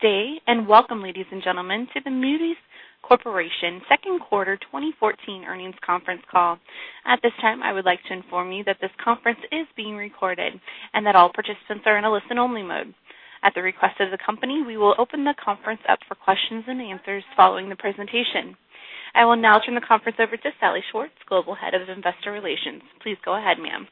Good day, and welcome, ladies and gentlemen, to the Moody's Corporation second quarter 2014 earnings conference call. At this time, I would like to inform you that this conference is being recorded, and that all participants are in a listen-only mode. At the request of the company, we will open the conference up for questions and answers following the presentation. I will now turn the conference over to Salli Schwartz, Global Head of Investor Relations. Please go ahead, ma'am.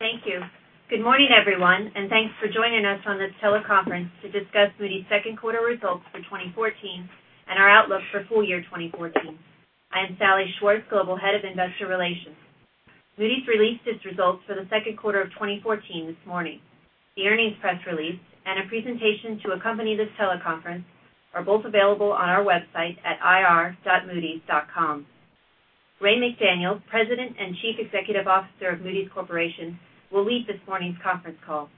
Thank you. Good morning, everyone, and thanks for joining us on this teleconference to discuss Moody's second quarter results for 2014 and our outlook for full year 2014. I am Salli Schwartz, Global Head of Investor Relations. Moody's released its results for the second quarter of 2014 this morning. The earnings press release and a presentation to accompany this teleconference are both available on our website at ir.moodys.com. Raymond McDaniel, President and Chief Executive Officer of Moody's Corporation, will lead this morning's conference call.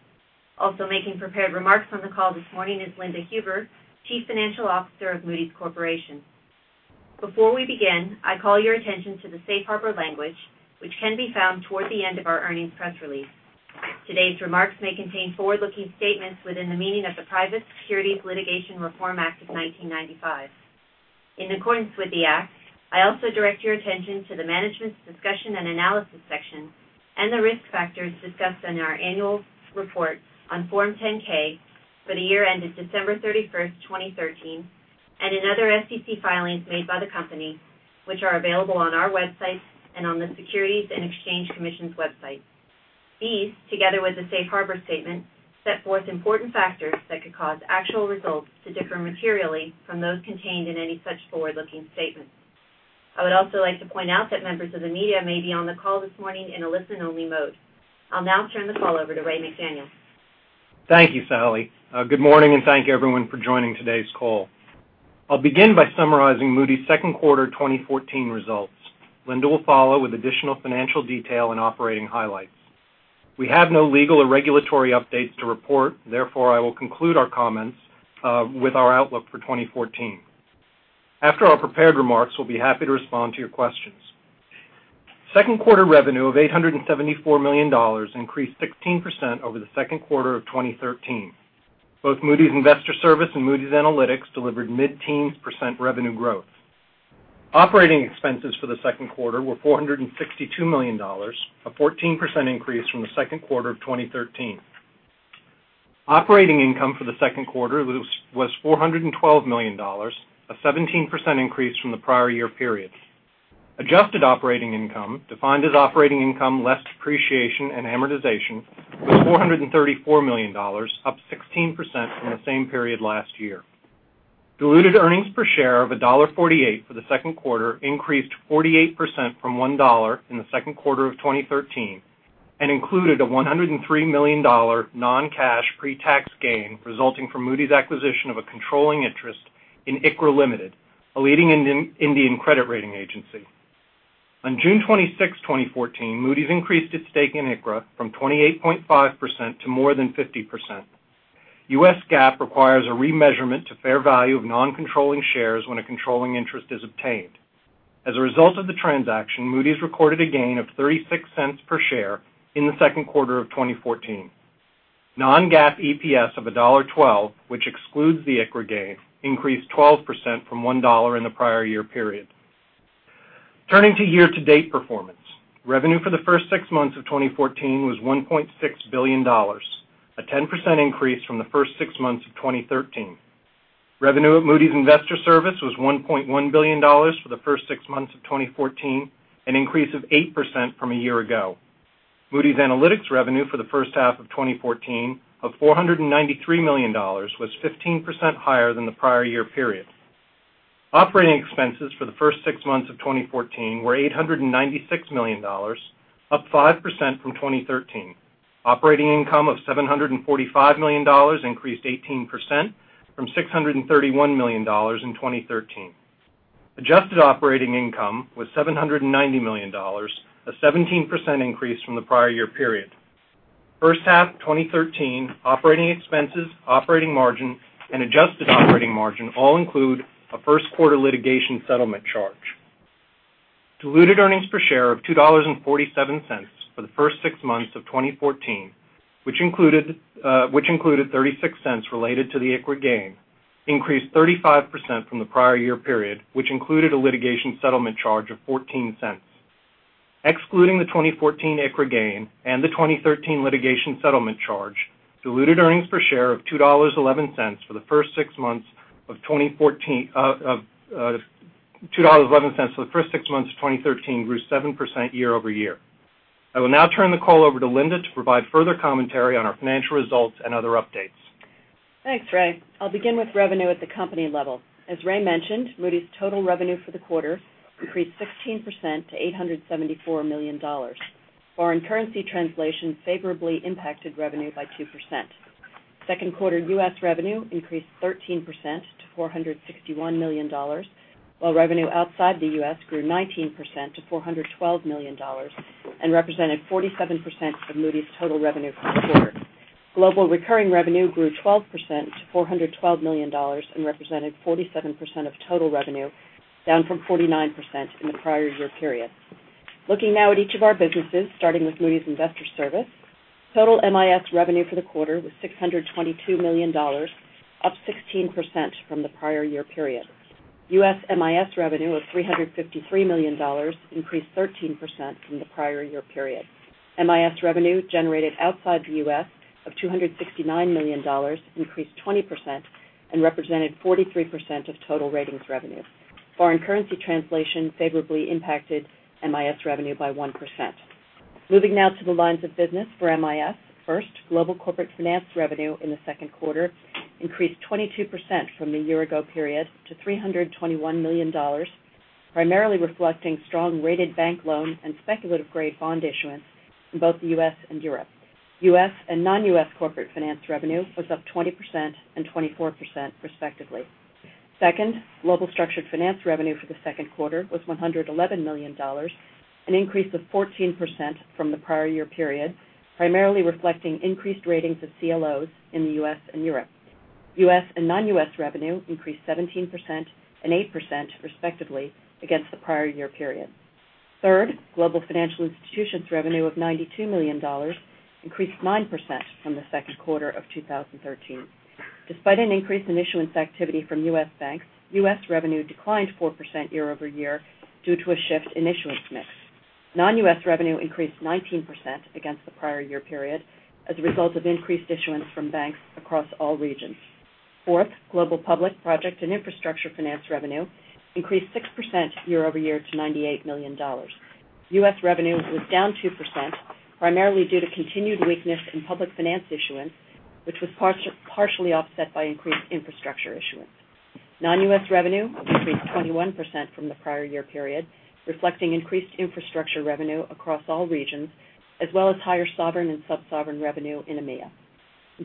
Also making prepared remarks on the call this morning is Linda Huber, Chief Financial Officer of Moody's Corporation. Before we begin, I call your attention to the safe harbor language, which can be found toward the end of our earnings press release. Today's remarks may contain forward-looking statements within the meaning of the Private Securities Litigation Reform Act of 1995. In accordance with the act, I also direct your attention to the Management's Discussion and Analysis section and the risk factors discussed in our annual report on Form 10-K for the year ended December 31st, 2013, and in other SEC filings made by the company, which are available on our website and on the Securities and Exchange Commission's website. These, together with the safe harbor statement, set forth important factors that could cause actual results to differ materially from those contained in any such forward-looking statements. I would also like to point out that members of the media may be on the call this morning in a listen-only mode. I'll now turn the call over to Raymond McDaniel. Thank you, Salli. Good morning, and thank you, everyone, for joining today's call. I'll begin by summarizing Moody's second quarter 2014 results. Linda will follow with additional financial detail and operating highlights. We have no legal or regulatory updates to report, therefore, I will conclude our comments with our outlook for 2014. After our prepared remarks, we'll be happy to respond to your questions. Second quarter revenue of $874 million increased 16% over the second quarter of 2013. Both Moody's Investors Service and Moody's Analytics delivered mid-teens % revenue growth. Operating expenses for the second quarter were $462 million, a 14% increase from the second quarter of 2013. Operating income for the second quarter was $412 million, a 17% increase from the prior year period. Adjusted operating income, defined as operating income less depreciation and amortization, was $434 million, up 16% from the same period last year. Diluted earnings per share of $1.48 for the second quarter increased 48% from $1 in the second quarter of 2013, and included a $103 million non-cash pre-tax gain resulting from Moody's acquisition of a controlling interest in ICRA Limited, a leading Indian credit rating agency. On June 26, 2014, Moody's increased its stake in ICRA from 28.5% to more than 50%. U.S. GAAP requires a remeasurement to fair value of non-controlling shares when a controlling interest is obtained. As a result of the transaction, Moody's recorded a gain of $0.36 per share in the second quarter of 2014. Non-GAAP EPS of $1.12, which excludes the ICRA gain, increased 12% from $1 in the prior year period. Turning to year-to-date performance. Revenue for the first six months of 2014 was $1.6 billion, a 10% increase from the first six months of 2013. Revenue at Moody's Investors Service was $1.1 billion for the first six months of 2014, an increase of 8% from a year ago. Moody's Analytics revenue for the first half of 2014 of $493 million was 15% higher than the prior year period. Operating expenses for the first six months of 2014 were $896 million, up 5% from 2013. Operating income of $745 million increased 18% from $631 million in 2013. Adjusted operating income was $790 million, a 17% increase from the prior year period. First half 2013 operating expenses, operating margin, and adjusted operating margin all include a first quarter litigation settlement charge. Diluted earnings per share of $2.47 for the first six months of 2014, which included $0.36 related to the ICRA gain, increased 35% from the prior year period, which included a litigation settlement charge of $0.14. Excluding the 2014 ICRA gain and the 2013 litigation settlement charge, diluted earnings per share of $2.11 for the first six months of 2013 grew 7% year-over-year. I will now turn the call over to Linda to provide further commentary on our financial results and other updates. Thanks, Ray. I'll begin with revenue at the company level. As Ray mentioned, Moody's total revenue for the quarter increased 16% to $874 million. Foreign currency translation favorably impacted revenue by 2%. Second quarter U.S. revenue increased 13% to $461 million, while revenue outside the U.S. grew 19% to $412 million and represented 47% of Moody's total revenue for the quarter. Global recurring revenue grew 12% to $412 million and represented 47% of total revenue, down from 49% in the prior year period. Looking now at each of our businesses, starting with Moody's Investors Service. Total MIS revenue for the quarter was $622 million, up 16% from the prior year period. U.S. MIS revenue of $353 million increased 13% from the prior year period. MIS revenue generated outside the U.S. of $269 million increased 20% and represented 43% of total ratings revenue. Foreign currency translation favorably impacted MIS revenue by 1%. Moving now to the lines of business for MIS. First, global corporate finance revenue in the second quarter increased 22% from the year ago period to $321 million, primarily reflecting strong rated bank loan and speculative-grade bond issuance in both the U.S. and Europe. U.S. and non-U.S. corporate finance revenue was up 20% and 24% respectively. Second, global structured finance revenue for the second quarter was $111 million, an increase of 14% from the prior year period, primarily reflecting increased ratings of CLOs in the U.S. and Europe. U.S. and non-U.S. revenue increased 17% and 8% respectively against the prior year period. Third, global financial institutions revenue of $92 million increased 9% from the second quarter of 2013. Despite an increase in issuance activity from U.S. banks, U.S. revenue declined 4% year-over-year due to a shift in issuance mix. Non-U.S. revenue increased 19% against the prior year period as a result of increased issuance from banks across all regions. Fourth, global public project and infrastructure finance revenue increased 6% year-over-year to $98 million. U.S. revenue was down 2%, primarily due to continued weakness in public finance issuance, which was partially offset by increased infrastructure issuance.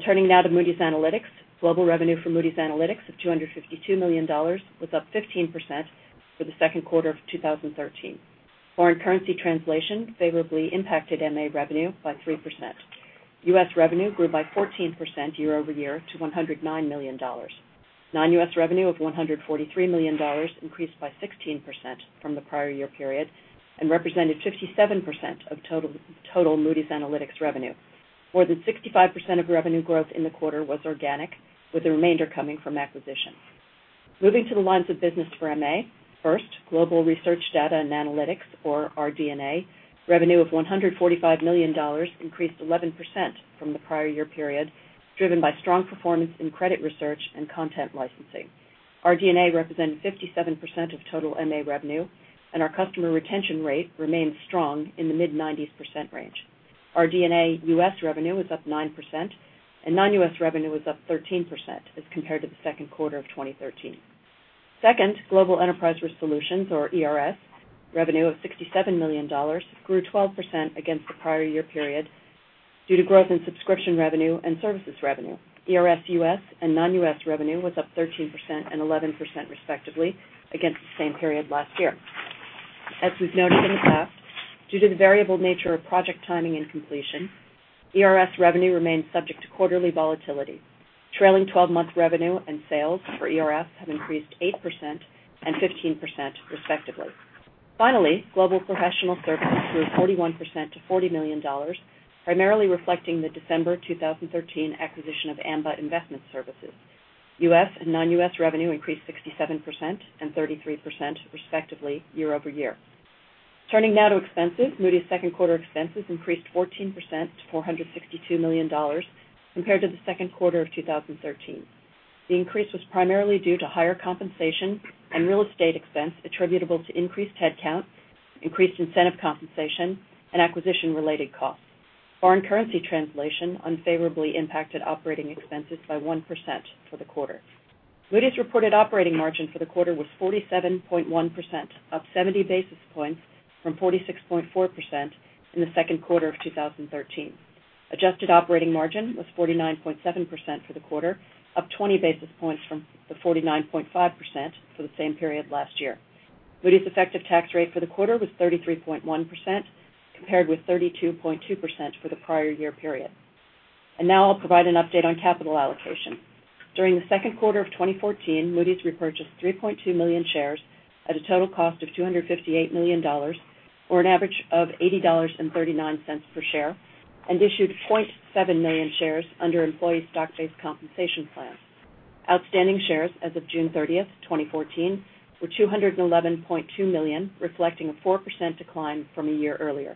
Turning now to Moody's Analytics. Global revenue for Moody's Analytics of $252 million was up 15% for the second quarter of 2013. Foreign currency translation favorably impacted MA revenue by 3%. U.S. revenue grew by 14% year-over-year to $109 million. Non-U.S. revenue of $143 million increased by 16% from the prior year period and represented 57% of total Moody's Analytics revenue. More than 65% of revenue growth in the quarter was organic, with the remainder coming from acquisitions. Moving to the lines of business for MA. First, global research data and analytics, or RD&A, revenue of $145 million increased 11% from the prior year period, driven by strong performance in credit research and content licensing. RD&A represented 57% of total MA revenue, our customer retention rate remains strong in the mid-90s% range. RD&A U.S. revenue was up 9%, and non-U.S. revenue was up 13% as compared to the second quarter of 2013. Second, global enterprise risk solutions, or ERS, revenue of $67 million grew 12% against the prior year period due to growth in subscription revenue and services revenue. ERS U.S. and non-U.S. revenue was up 13% and 11%, respectively, against the same period last year. As we've noted in the past, due to the variable nature of project timing and completion, ERS revenue remains subject to quarterly volatility. Trailing 12-month revenue and sales for ERS have increased 8% and 15%, respectively. Finally, global professional services grew 41% to $40 million, primarily reflecting the December 2013 acquisition of Amba Investment Services. U.S. and non-U.S. revenue increased 67% and 33%, respectively, year-over-year. Turning now to expenses. Moody's second quarter expenses increased 14% to $462 million compared to the second quarter of 2013. The increase was primarily due to higher compensation and real estate expense attributable to increased headcount, increased incentive compensation, and acquisition-related costs. Foreign currency translation unfavorably impacted operating expenses by 1% for the quarter. Moody's reported operating margin for the quarter was 47.1%, up 70 basis points from 46.4% in the second quarter of 2013. Adjusted operating margin was 49.7% for the quarter, up 20 basis points from the 49.5% for the same period last year. Moody's effective tax rate for the quarter was 33.1%, compared with 32.2% for the prior year period. Now I'll provide an update on capital allocation. During the second quarter of 2014, Moody's repurchased 3.2 million shares at a total cost of $258 million, or an average of $80.39 per share, and issued 0.7 million shares under employee stock-based compensation plans. Outstanding shares as of June 30th, 2014, were 211.2 million, reflecting a 4% decline from a year earlier.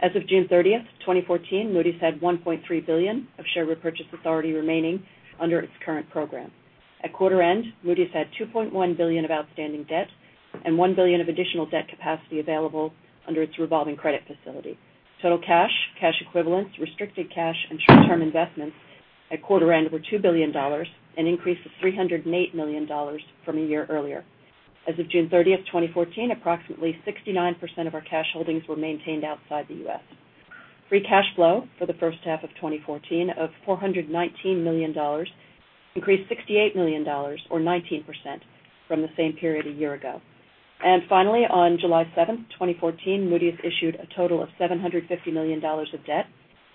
As of June 30th, 2014, Moody's had $1.3 billion of share repurchase authority remaining under its current program. At quarter end, Moody's had $2.1 billion of outstanding debt and $1 billion of additional debt capacity available under its revolving credit facility. Total cash equivalents, restricted cash, and short-term investments at quarter end were $2 billion, an increase of $308 million from a year earlier. As of June 30th, 2014, approximately 69% of our cash holdings were maintained outside the U.S. Free cash flow for the first half of 2014 of $419 million increased $68 million or 19% from the same period a year ago. Finally, on July 7th, 2014, Moody's issued a total of $750 million of debt.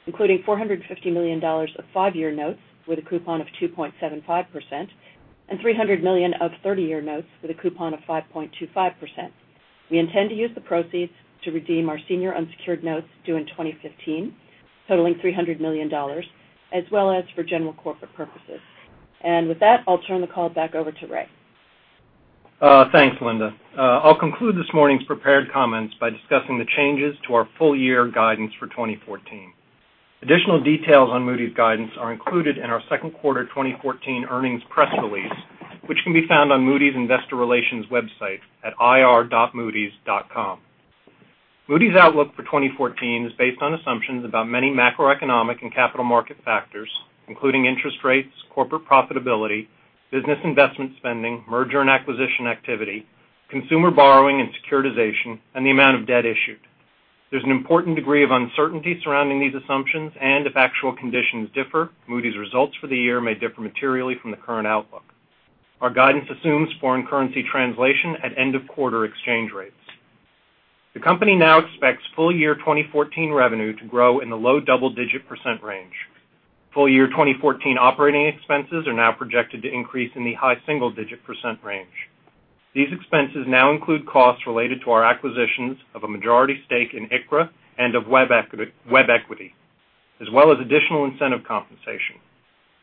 Including $450 million of five-year notes with a coupon of 2.75%, and $300 million of 30-year notes with a coupon of 5.25%. We intend to use the proceeds to redeem our senior unsecured notes due in 2015, totaling $300 million, as well as for general corporate purposes. With that, I'll turn the call back over to Ray. Thanks, Linda. I'll conclude this morning's prepared comments by discussing the changes to our full year guidance for 2014. Additional details on Moody's guidance are included in our second quarter 2014 earnings press release, which can be found on Moody's Investor Relations website at ir.moodys.com. Moody's outlook for 2014 is based on assumptions about many macroeconomic and capital market factors, including interest rates, corporate profitability, business investment spending, merger and acquisition activity, consumer borrowing and securitization, and the amount of debt issued. There's an important degree of uncertainty surrounding these assumptions, and if actual conditions differ, Moody's results for the year may differ materially from the current outlook. Our guidance assumes foreign currency translation at end of quarter exchange rates. The company now expects full year 2014 revenue to grow in the low double-digit percent range. Full year 2014 operating expenses are now projected to increase in the high single-digit % range. These expenses now include costs related to our acquisitions of a majority stake in ICRA and of WebEquity, as well as additional incentive compensation.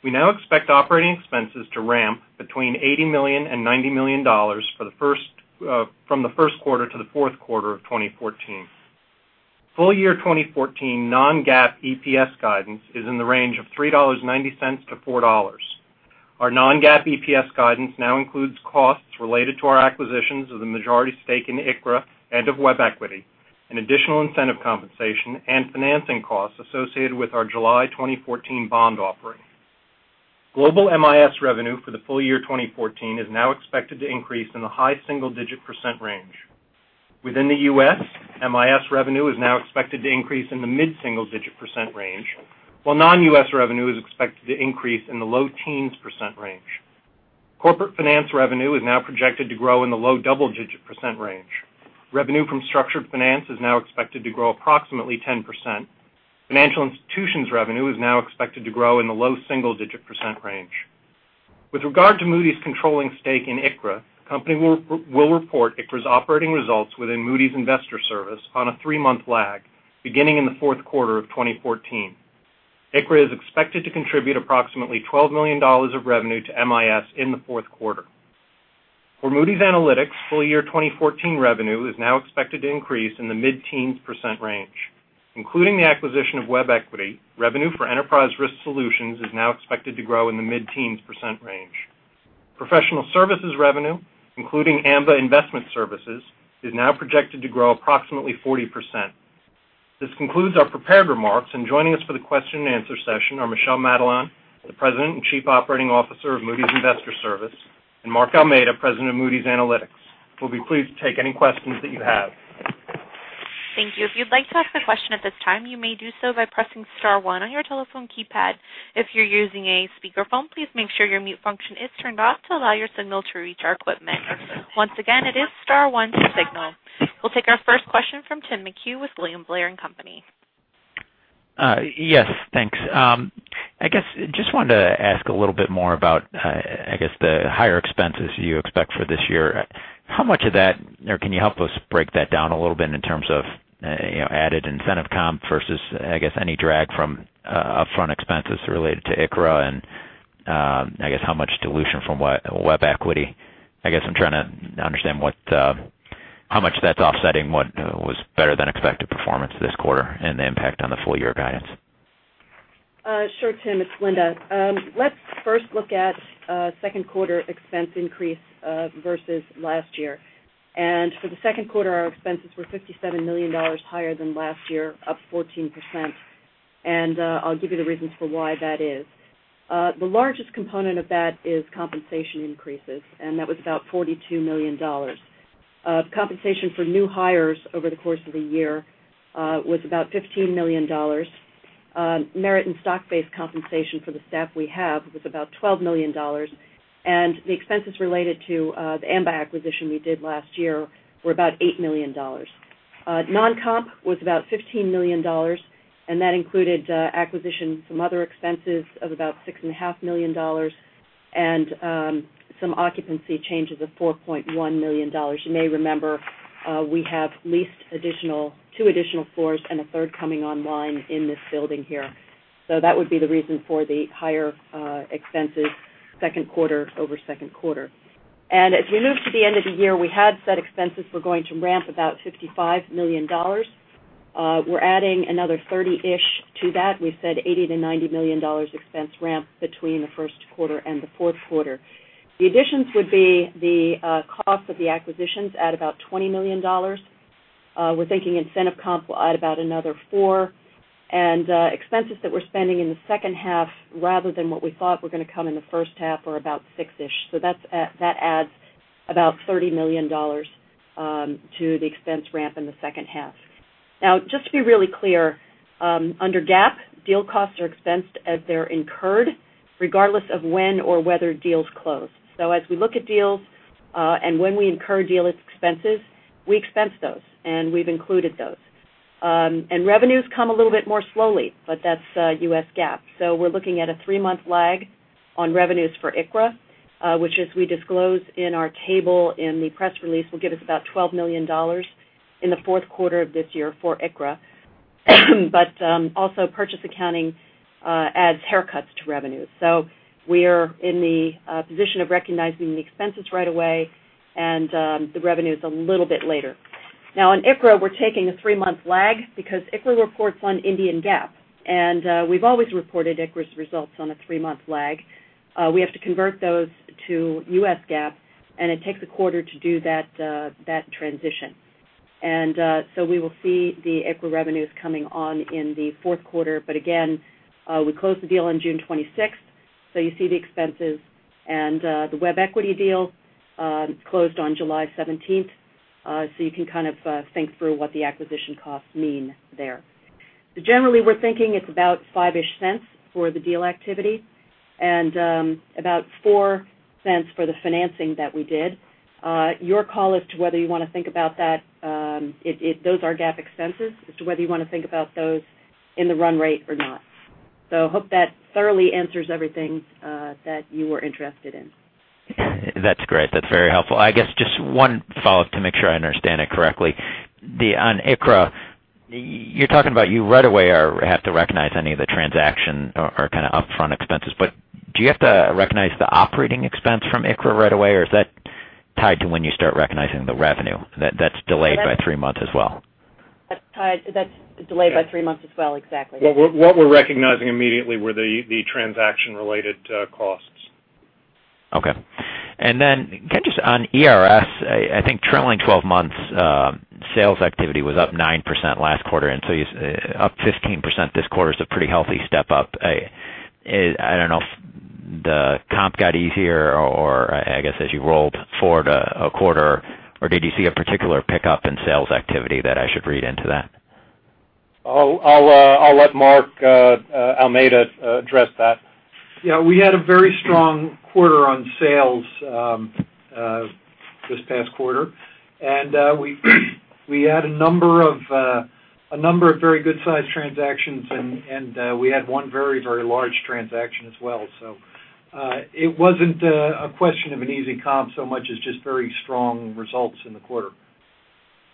We now expect operating expenses to ramp between $80 million and $90 million from the first quarter to the fourth quarter of 2014. Full year 2014 non-GAAP EPS guidance is in the range of $3.90 to $4. Our non-GAAP EPS guidance now includes costs related to our acquisitions of the majority stake in ICRA and of WebEquity, and additional incentive compensation and financing costs associated with our July 2014 bond offering. Global MIS revenue for the full year 2014 is now expected to increase in the high single-digit % range. Within the U.S., MIS revenue is now expected to increase in the mid-single digit % range, while non-U.S. revenue is expected to increase in the low teens % range. Corporate Finance revenue is now projected to grow in the low double-digit % range. Revenue from structured finance is now expected to grow approximately 10%. Financial Institutions revenue is now expected to grow in the low single-digit % range. With regard to Moody's controlling stake in ICRA, the company will report ICRA's operating results within Moody's Investors Service on a three-month lag, beginning in the fourth quarter of 2014. ICRA is expected to contribute approximately $12 million of revenue to MIS in the fourth quarter. For Moody's Analytics, full year 2014 revenue is now expected to increase in the mid-teens % range. Including the acquisition of WebEquity, revenue for enterprise risk solutions is now expected to grow in the mid-teens % range. Professional services revenue, including Amba Investment Services, is now projected to grow approximately 40%. This concludes our prepared remarks. Joining us for the question and answer session are Michel Madelain, the President and Chief Operating Officer of Moody's Investors Service, and Mark Almeida, President of Moody's Analytics, who'll be pleased to take any questions that you have. Thank you. If you'd like to ask a question at this time, you may do so by pressing star one on your telephone keypad. If you're using a speakerphone, please make sure your mute function is turned off to allow your signal to reach our equipment. Once again, it is star one to signal. We'll take our first question from Tim McHugh with William Blair & Company. Yes, thanks. I guess just wanted to ask a little bit more about the higher expenses you expect for this year. How much of that, or can you help us break that down a little bit in terms of added incentive comp versus any drag from upfront expenses related to ICRA and how much dilution from WebEquity? I guess I'm trying to understand how much that's offsetting what was better than expected performance this quarter and the impact on the full year guidance. Sure, Tim, it's Linda. Let's first look at second quarter expense increase versus last year. For the second quarter, our expenses were $57 million higher than last year, up 14%, and I'll give you the reasons for why that is. The largest component of that is compensation increases, and that was about $42 million. Compensation for new hires over the course of the year was about $15 million. Merit and stock-based compensation for the staff we have was about $12 million. The expenses related to the Amba acquisition we did last year were about $8 million. Non-comp was about $15 million, and that included acquisition, some other expenses of about $6.5 million, and some occupancy changes of $4.1 million. You may remember we have leased two additional floors and a third coming online in this building here. That would be the reason for the higher expenses second quarter-over-second quarter. As we move to the end of the year, we had said expenses were going to ramp about $55 million. We're adding another 30-ish to that. We said $80 million-$90 million expense ramp between the first quarter and the fourth quarter. The additions would be the cost of the acquisitions at about $20 million. We're thinking incentive comp will add about another four, and expenses that we're spending in the second half rather than what we thought were going to come in the first half are about six-ish. That adds about $30 million to the expense ramp in the second half. Now, just to be really clear, under GAAP, deal costs are expensed as they're incurred. Regardless of when or whether deals close. As we look at deals, and when we incur deal expenses, we expense those, and we've included those. Revenues come a little bit more slowly, but that's U.S. GAAP. We're looking at a three-month lag on revenues for ICRA, which as we disclose in our table in the press release, will give us about $12 million in the fourth quarter of this year for ICRA. Also purchase accounting adds haircuts to revenues. We're in the position of recognizing the expenses right away and the revenues a little bit later. Now in ICRA, we're taking a three-month lag because ICRA reports on Indian GAAP, and we've always reported ICRA's results on a three-month lag. We have to convert those to U.S. GAAP, and it takes a quarter to do that transition. We will see the ICRA revenues coming on in the fourth quarter. Again, we closed the deal on June 26th, so you see the expenses, and the WebEquity deal closed on July 17th. You can think through what the acquisition costs mean there. Generally, we're thinking it's about $0.05-ish for the deal activity and about $0.04 for the financing that we did. Your call as to whether you want to think about that, those are GAAP expenses as to whether you want to think about those in the run rate or not. Hope that thoroughly answers everything that you were interested in. That's great. That's very helpful. I guess just one follow-up to make sure I understand it correctly. On ICRA, you're talking about you right away have to recognize any of the transaction or upfront expenses. Do you have to recognize the operating expense from ICRA right away, or is that tied to when you start recognizing the revenue that's delayed by three months as well? That's delayed by three months as well. Exactly. What we're recognizing immediately were the transaction-related costs. Can I just on ERS, I think trailing 12 months sales activity was up 9% last quarter, up 15% this quarter is a pretty healthy step up. I don't know if the comp got easier or I guess as you rolled forward a quarter, or did you see a particular pickup in sales activity that I should read into that? I'll let Mark Almeida address that. Yeah. We had a very strong quarter on sales this past quarter, we had a number of very good-sized transactions, we had one very large transaction as well. It wasn't a question of an easy comp so much as just very strong results in the quarter.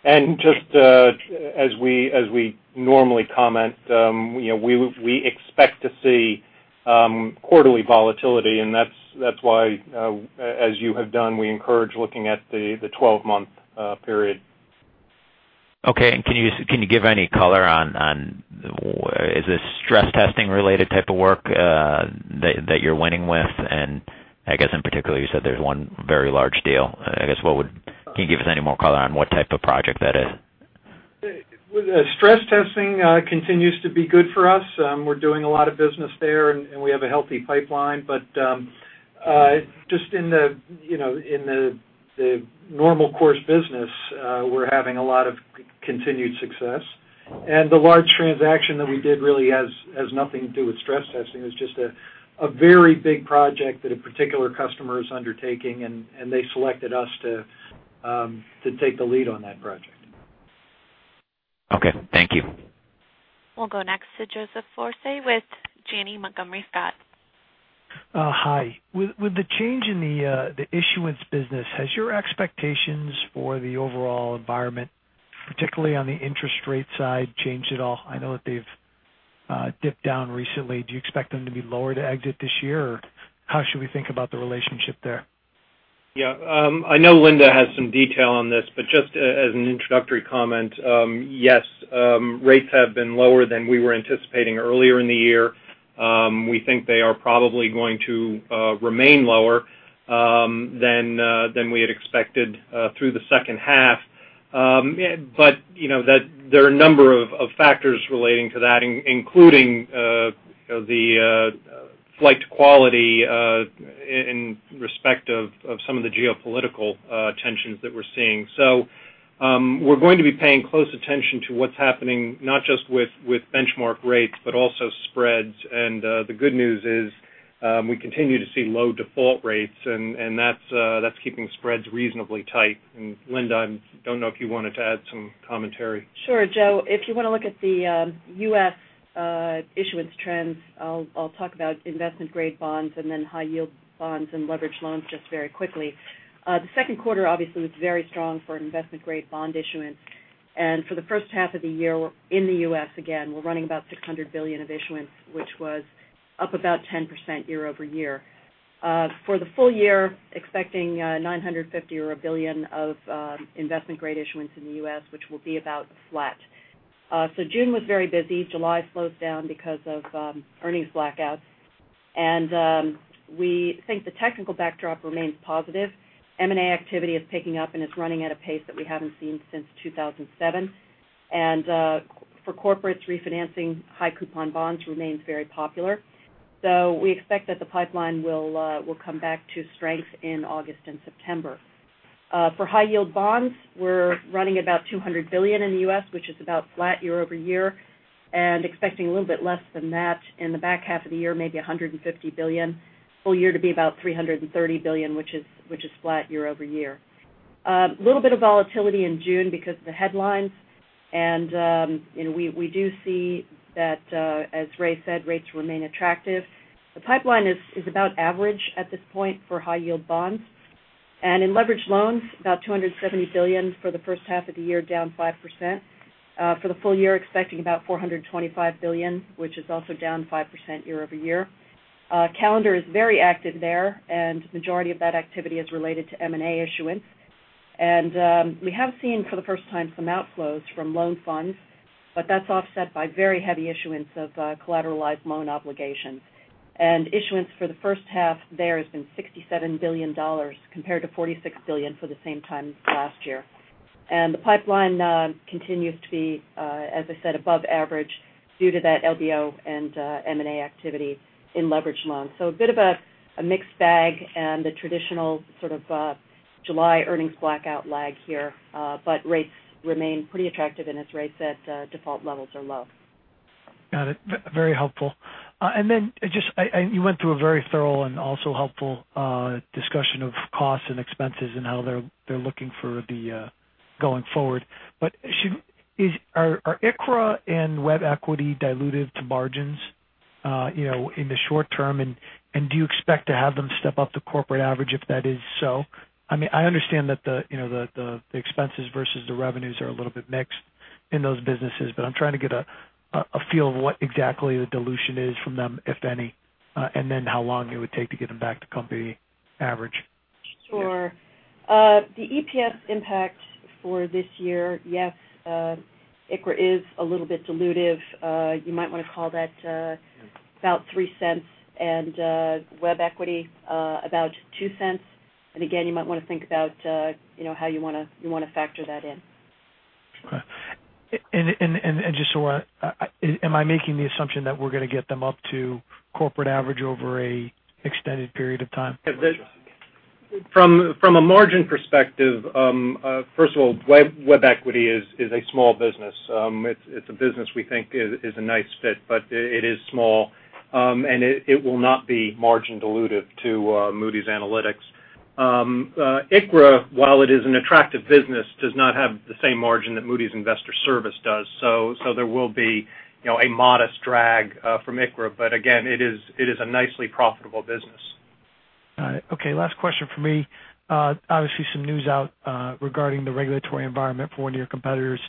Just as we normally comment, we expect to see quarterly volatility, that's why, as you have done, we encourage looking at the 12-month period. Okay. Can you give any color on, is this stress testing related type of work that you're winning with? I guess in particular, you said there's one very large deal. Can you give us any more color on what type of project that is? Stress testing continues to be good for us. We're doing a lot of business there, and we have a healthy pipeline. Just in the normal course business, we're having a lot of continued success. The large transaction that we did really has nothing to do with stress testing. It's just a very big project that a particular customer is undertaking, and they selected us to take the lead on that project. Okay. Thank you. We'll go next to Joseph Foresi with Janney Montgomery Scott. Hi. With the change in the issuance business, has your expectations for the overall environment, particularly on the interest rate side, changed at all? I know that they've dipped down recently. Do you expect them to be lower to exit this year, or how should we think about the relationship there? Yeah. I know Linda has some detail on this, but just as an introductory comment, yes, rates have been lower than we were anticipating earlier in the year. We think they are probably going to remain lower than we had expected through the second half. There are a number of factors relating to that, including the flight to quality in respect of some of the geopolitical tensions that we're seeing. We're going to be paying close attention to what's happening, not just with benchmark rates, but also spreads. The good news is we continue to see low default rates, and that's keeping spreads reasonably tight. Linda, I don't know if you wanted to add some commentary. Sure, Joe. If you want to look at the U.S. issuance trends, I'll talk about investment-grade bonds and then high-yield bonds and leverage loans just very quickly. The second quarter obviously was very strong for investment-grade bond issuance, and for the first half of the year in the U.S., again, we're running about $600 billion of issuance, which was up about 10% year-over-year. For the full year, expecting $950 or $1 billion of investment-grade issuance in the U.S., which will be about flat. June was very busy. July slows down because of earnings blackouts. We think the technical backdrop remains positive. M&A activity is picking up, and it's running at a pace that we haven't seen since 2007. For corporates, refinancing high coupon bonds remains very popular. We expect that the pipeline will come back to strength in August and September. For high-yield bonds, we're running about $200 billion in the U.S., which is about flat year-over-year, and expecting a little bit less than that in the back half of the year, maybe $150 billion. Full year to be about $330 billion, which is flat year-over-year. A little bit of volatility in June because of the headlines. We do see that, as Ray said, rates remain attractive. The pipeline is about average at this point for high-yield bonds. In leveraged loans, about $270 billion for the first half of the year, down 5%. For the full year, expecting about $425 billion, which is also down 5% year-over-year. Calendar is very active there, and majority of that activity is related to M&A issuance. We have seen for the first time some outflows from loan funds, but that's offset by very heavy issuance of Collateralized Loan Obligations. Issuance for the first half there has been $67 billion, compared to $46 billion for the same time last year. The pipeline continues to be, as I said, above average due to that LBO and M&A activity in leveraged loans. A bit of a mixed bag and the traditional sort of July earnings blackout lag here. Rates remain pretty attractive, and as Ray said, default levels are low. Got it. Very helpful. You went through a very thorough and also helpful discussion of costs and expenses and how they're looking for the going forward. Are ICRA and WebEquity diluted to margins in the short term, and do you expect to have them step up to corporate average if that is so? I understand that the expenses versus the revenues are a little bit mixed in those businesses, but I'm trying to get a feel of what exactly the dilution is from them, if any. How long it would take to get them back to company average. Sure. The EPS impact for this year, yes, ICRA is a little bit dilutive. You might want to call that about $0.03, and WebEquity about $0.02. Again, you might want to think about how you want to factor that in. Okay. Just so, am I making the assumption that we're going to get them up to corporate average over an extended period of time? From a margin perspective, first of all, WebEquity is a small business. It's a business we think is a nice fit, but it is small. It will not be margin dilutive to Moody's Analytics. ICRA, while it is an attractive business, does not have the same margin that Moody's Investors Service does. There will be a modest drag from ICRA. Again, it is a nicely profitable business. Got it. Okay, last question from me. Obviously, some news out regarding the regulatory environment for one of your competitors.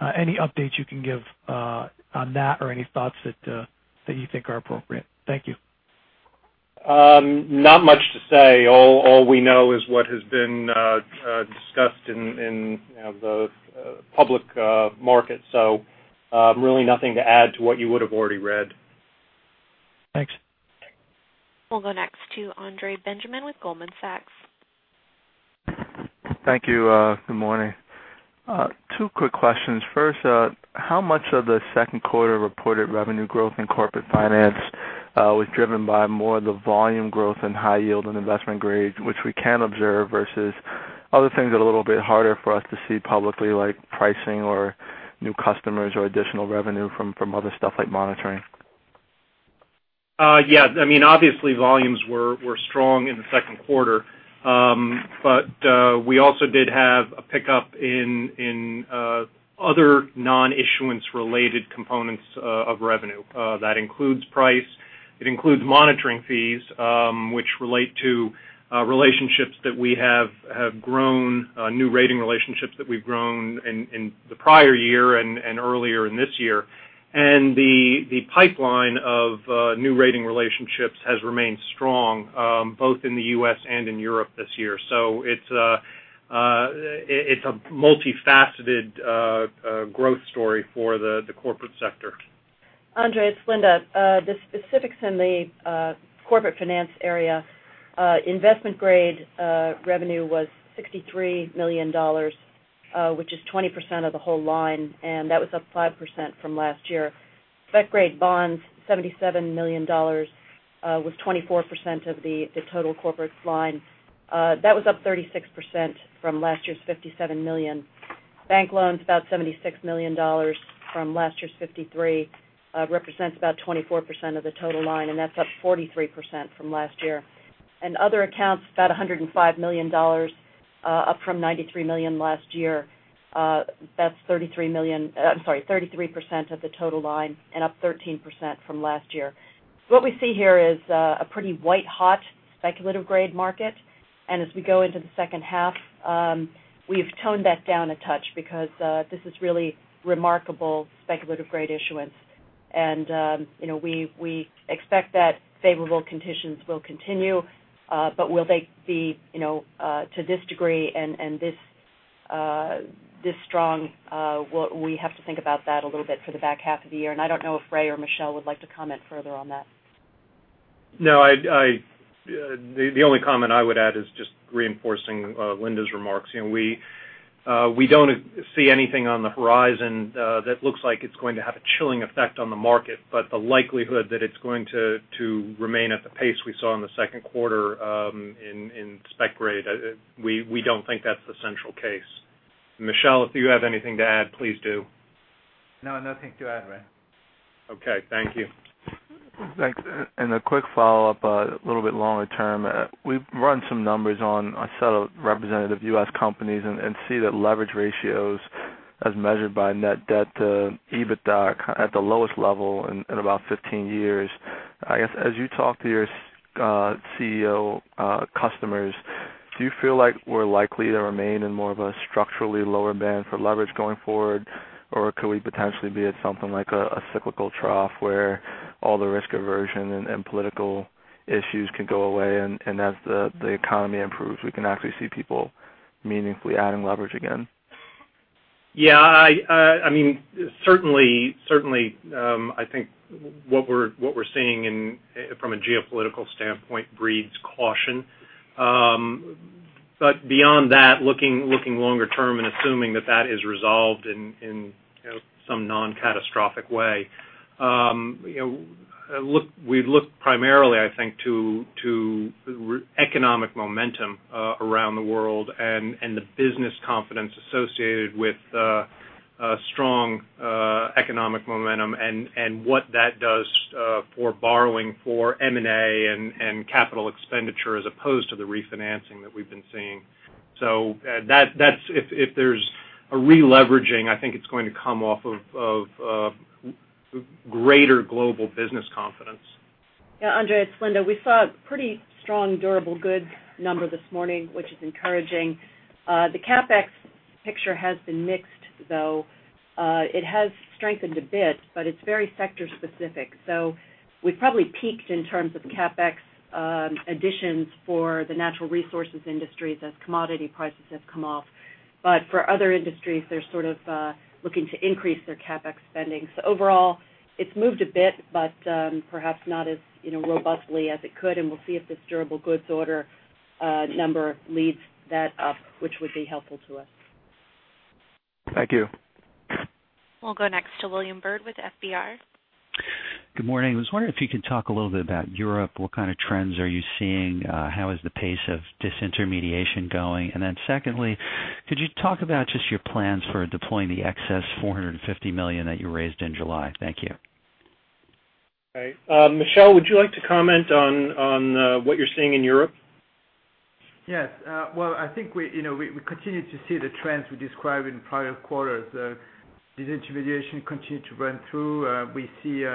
Any updates you can give on that or any thoughts that you think are appropriate? Thank you. Not much to say. All we know is what has been discussed in the public market. Really nothing to add to what you would've already read. Thanks. We'll go next to Andre Benjamin with Goldman Sachs. Thank you. Good morning. Two quick questions. First, how much of the second quarter reported revenue growth in Corporate Finance was driven by more of the volume growth in high yield and investment grades, which we can observe versus other things that are a little bit harder for us to see publicly, like pricing or new customers or additional revenue from other stuff like monitoring? Yeah. Obviously volumes were strong in the second quarter. We also did have a pickup in other non-issuance related components of revenue. That includes price. It includes monitoring fees, which relate to relationships that we have grown, new rating relationships that we've grown in the prior year and earlier in this year. The pipeline of new rating relationships has remained strong, both in the U.S. and in Europe this year. It's a multifaceted growth story for the corporate sector. Andre, it's Linda. The specifics in the Corporate Finance area, investment grade revenue was $63 million, which is 20% of the whole line, and that was up 5% from last year. Spec-grade bonds, $77 million, was 24% of the total corporate line. That was up 36% from last year's $57 million. Bank loans, about $76 million from last year's $53, represents about 24% of the total line, and that's up 43% from last year. Other accounts, about $105 million, up from $93 million last year. That's 33% of the total line and up 13% from last year. What we see here is a pretty white hot speculative grade market. As we go into the second half, we've toned that down a touch because this is really remarkable speculative grade issuance. We expect that favorable conditions will continue. Will they be to this degree and this strong? We have to think about that a little bit for the back half of the year. I don't know if Ray or Michel would like to comment further on that. No, the only comment I would add is just reinforcing Linda's remarks. We don't see anything on the horizon that looks like it's going to have a chilling effect on the market. The likelihood that it's going to remain at the pace we saw in the second quarter in spec grade, we don't think that's the central case. Michel, if you have anything to add, please do. Nothing to add, Ray. Okay. Thank you. Thanks. A quick follow-up, a little bit longer term. We've run some numbers on a set of representative U.S. companies and see that leverage ratios as measured by net debt to EBITDA are at the lowest level in about 15 years. I guess, as you talk to your CEO customers, do you feel like we're likely to remain in more of a structurally lower band for leverage going forward? Could we potentially be at something like a cyclical trough where all the risk aversion and political issues could go away, and as the economy improves, we can actually see people meaningfully adding leverage again? Certainly, I think what we're seeing from a geopolitical standpoint breeds caution. Beyond that, looking longer term and assuming that that is resolved in some non-catastrophic way. We look primarily, I think, to economic momentum around the world and the business confidence associated with strong economic momentum and what that does for borrowing for M&A and Capital Expenditure as opposed to the refinancing that we've been seeing. If there's a re-leveraging, I think it's going to come off of greater global business confidence. Andre, it's Linda. We saw a pretty strong durable goods number this morning, which is encouraging. The CapEx picture has been mixed, though. It has strengthened a bit, but it's very sector specific. We've probably peaked in terms of CapEx additions for the natural resources industries as commodity prices have come off. For other industries, they're sort of looking to increase their CapEx spending. Overall, it's moved a bit, but perhaps not as robustly as it could, and we'll see if this durable goods order number leads that up, which would be helpful to us. Thank you. We'll go next to William Bird with FBR. Good morning. I was wondering if you could talk a little bit about Europe. What kind of trends are you seeing? How is the pace of disintermediation going? Secondly, could you talk about just your plans for deploying the excess $450 million that you raised in July? Thank you. Okay. Michel, would you like to comment on what you're seeing in Europe? Yes. Well, I think we continue to see the trends we described in prior quarters. Disintermediation continue to run through. We see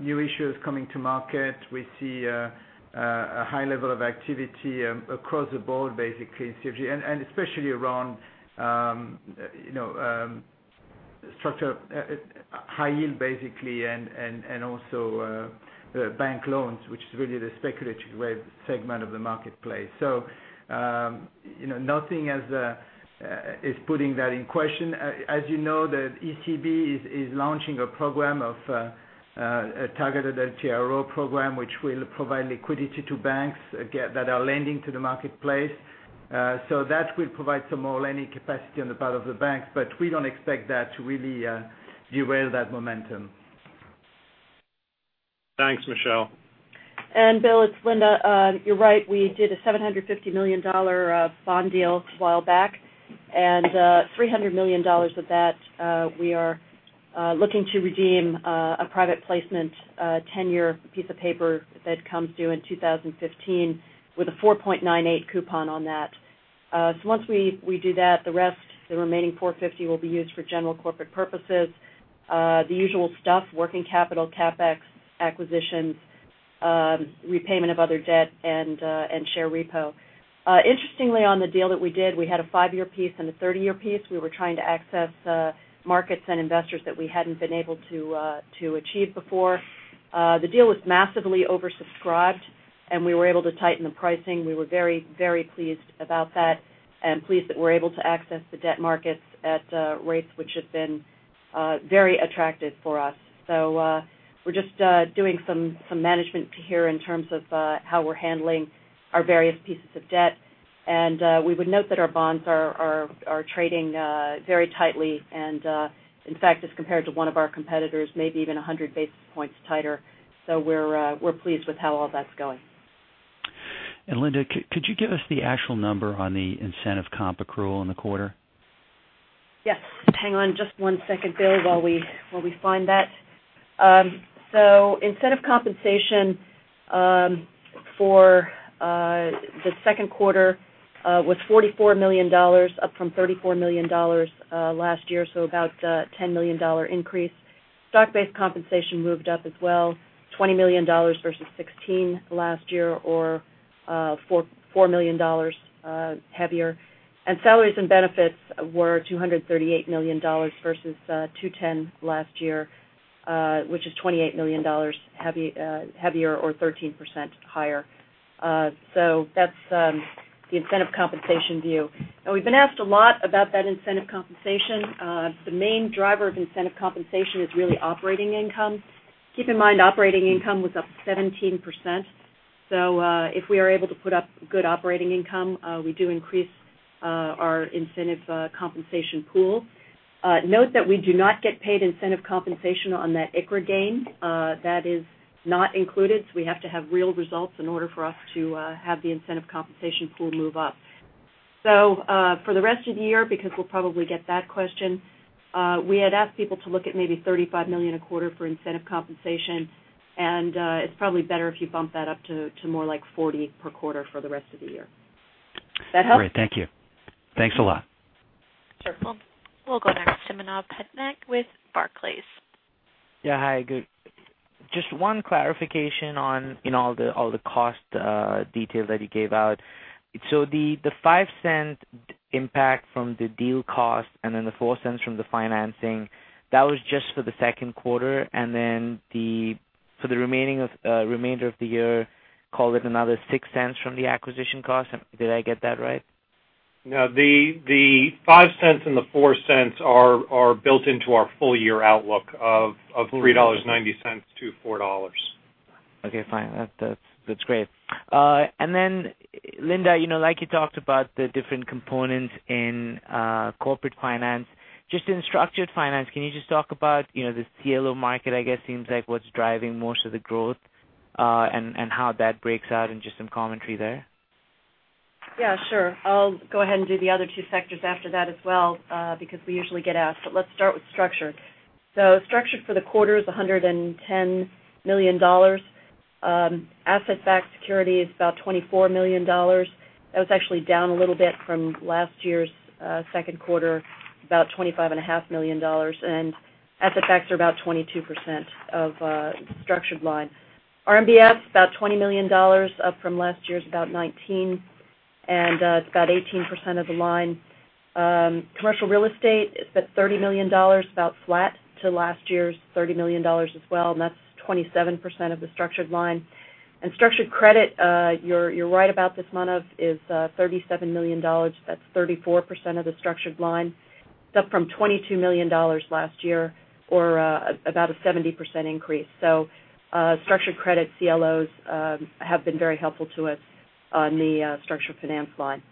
new issues coming to market. We see a high level of activity across the board, basically in CFG, and especially around high yield, basically, and also bank loans, which is really the speculative segment of the marketplace. Nothing is putting that in question. As you know, the ECB is launching a program of a targeted LTRO program, which will provide liquidity to banks that are lending to the marketplace. That will provide some more lending capacity on the part of the banks, but we don't expect that to really derail that momentum. Thanks, Michel. Bill, it's Linda. You're right. We did a $750 million bond deal a while back, and $300 million of that we are looking to redeem a private placement tenure piece of paper that comes due in 2015 with a 4.98 coupon on that. Once we do that, the rest, the remaining $450, will be used for general corporate purposes. The usual stuff, working capital, CapEx, acquisitions, repayment of other debt and share repo. Interestingly on the deal that we did, we had a five-year piece and a 30-year piece. We were trying to access markets and investors that we hadn't been able to achieve before. The deal was massively oversubscribed, and we were able to tighten the pricing. We were very pleased about that and pleased that we're able to access the debt markets at rates which have been very attractive for us. We're just doing some management here in terms of how we're handling our various pieces of debt. We would note that our bonds are trading very tightly. In fact, as compared to one of our competitors, maybe even 100 basis points tighter. We're pleased with how all that's going. Linda, could you give us the actual number on the incentive comp accrual in the quarter? Yes. Hang on just one second, Bill, while we find that. Incentive compensation for the second quarter was $44 million, up from $34 million last year. About a $10 million increase. Stock-based compensation moved up as well, $20 million versus $16 million last year, or $4 million heavier. Salaries and benefits were $238 million versus $210 million last year, which is $28 million heavier or 13% higher. That's the incentive compensation view. We've been asked a lot about that incentive compensation. The main driver of incentive compensation is really operating income. Keep in mind, operating income was up 17%. If we are able to put up good operating income, we do increase our incentive compensation pool. Note that we do not get paid incentive compensation on that ICRA gain. That is not included. We have to have real results in order for us to have the incentive compensation pool move up. For the rest of the year, because we'll probably get that question, we had asked people to look at maybe $35 million a quarter for incentive compensation, and it's probably better if you bump that up to more like $40 per quarter for the rest of the year. That help? Great. Thank you. Thanks a lot. Sure. We'll go next to Manav Patnaik with Barclays. Yeah. Hi, good. Just one clarification on all the cost details that you gave out. The $0.05 impact from the deal cost and then the $0.04 from the financing, that was just for the second quarter, and then for the remainder of the year, call it another $0.06 from the acquisition cost. Did I get that right? No, the $0.05 and the $0.04 are built into our full year outlook of $3.90 to $4. Okay, fine. That's great. Linda, like you talked about the different components in Corporate Finance, just in Structured Finance, can you just talk about the CLO market, I guess seems like what's driving most of the growth, and how that breaks out and just some commentary there? Yeah, sure. I'll go ahead and do the other two sectors after that as well, because we usually get asked. Let's start with Structured. Structured for the quarter is $110 million. Asset-Backed Security is about $24 million. That was actually down a little bit from last year's second quarter, about $25.5 million. Asset-Backed are about 22% of the Structured line. RMBS, about $20 million, up from last year's about $19 million, and it's about 18% of the Structured line. Commercial Real Estate is at $30 million, about flat to last year's $30 million as well, and that's 27% of the Structured line. Structured Credit, you're right about this, Manav, is $37 million. That's 34% of the Structured line. It's up from $22 million last year or about a 70% increase. Structured Credit CLOs have been very helpful to us on the Structured Finance line.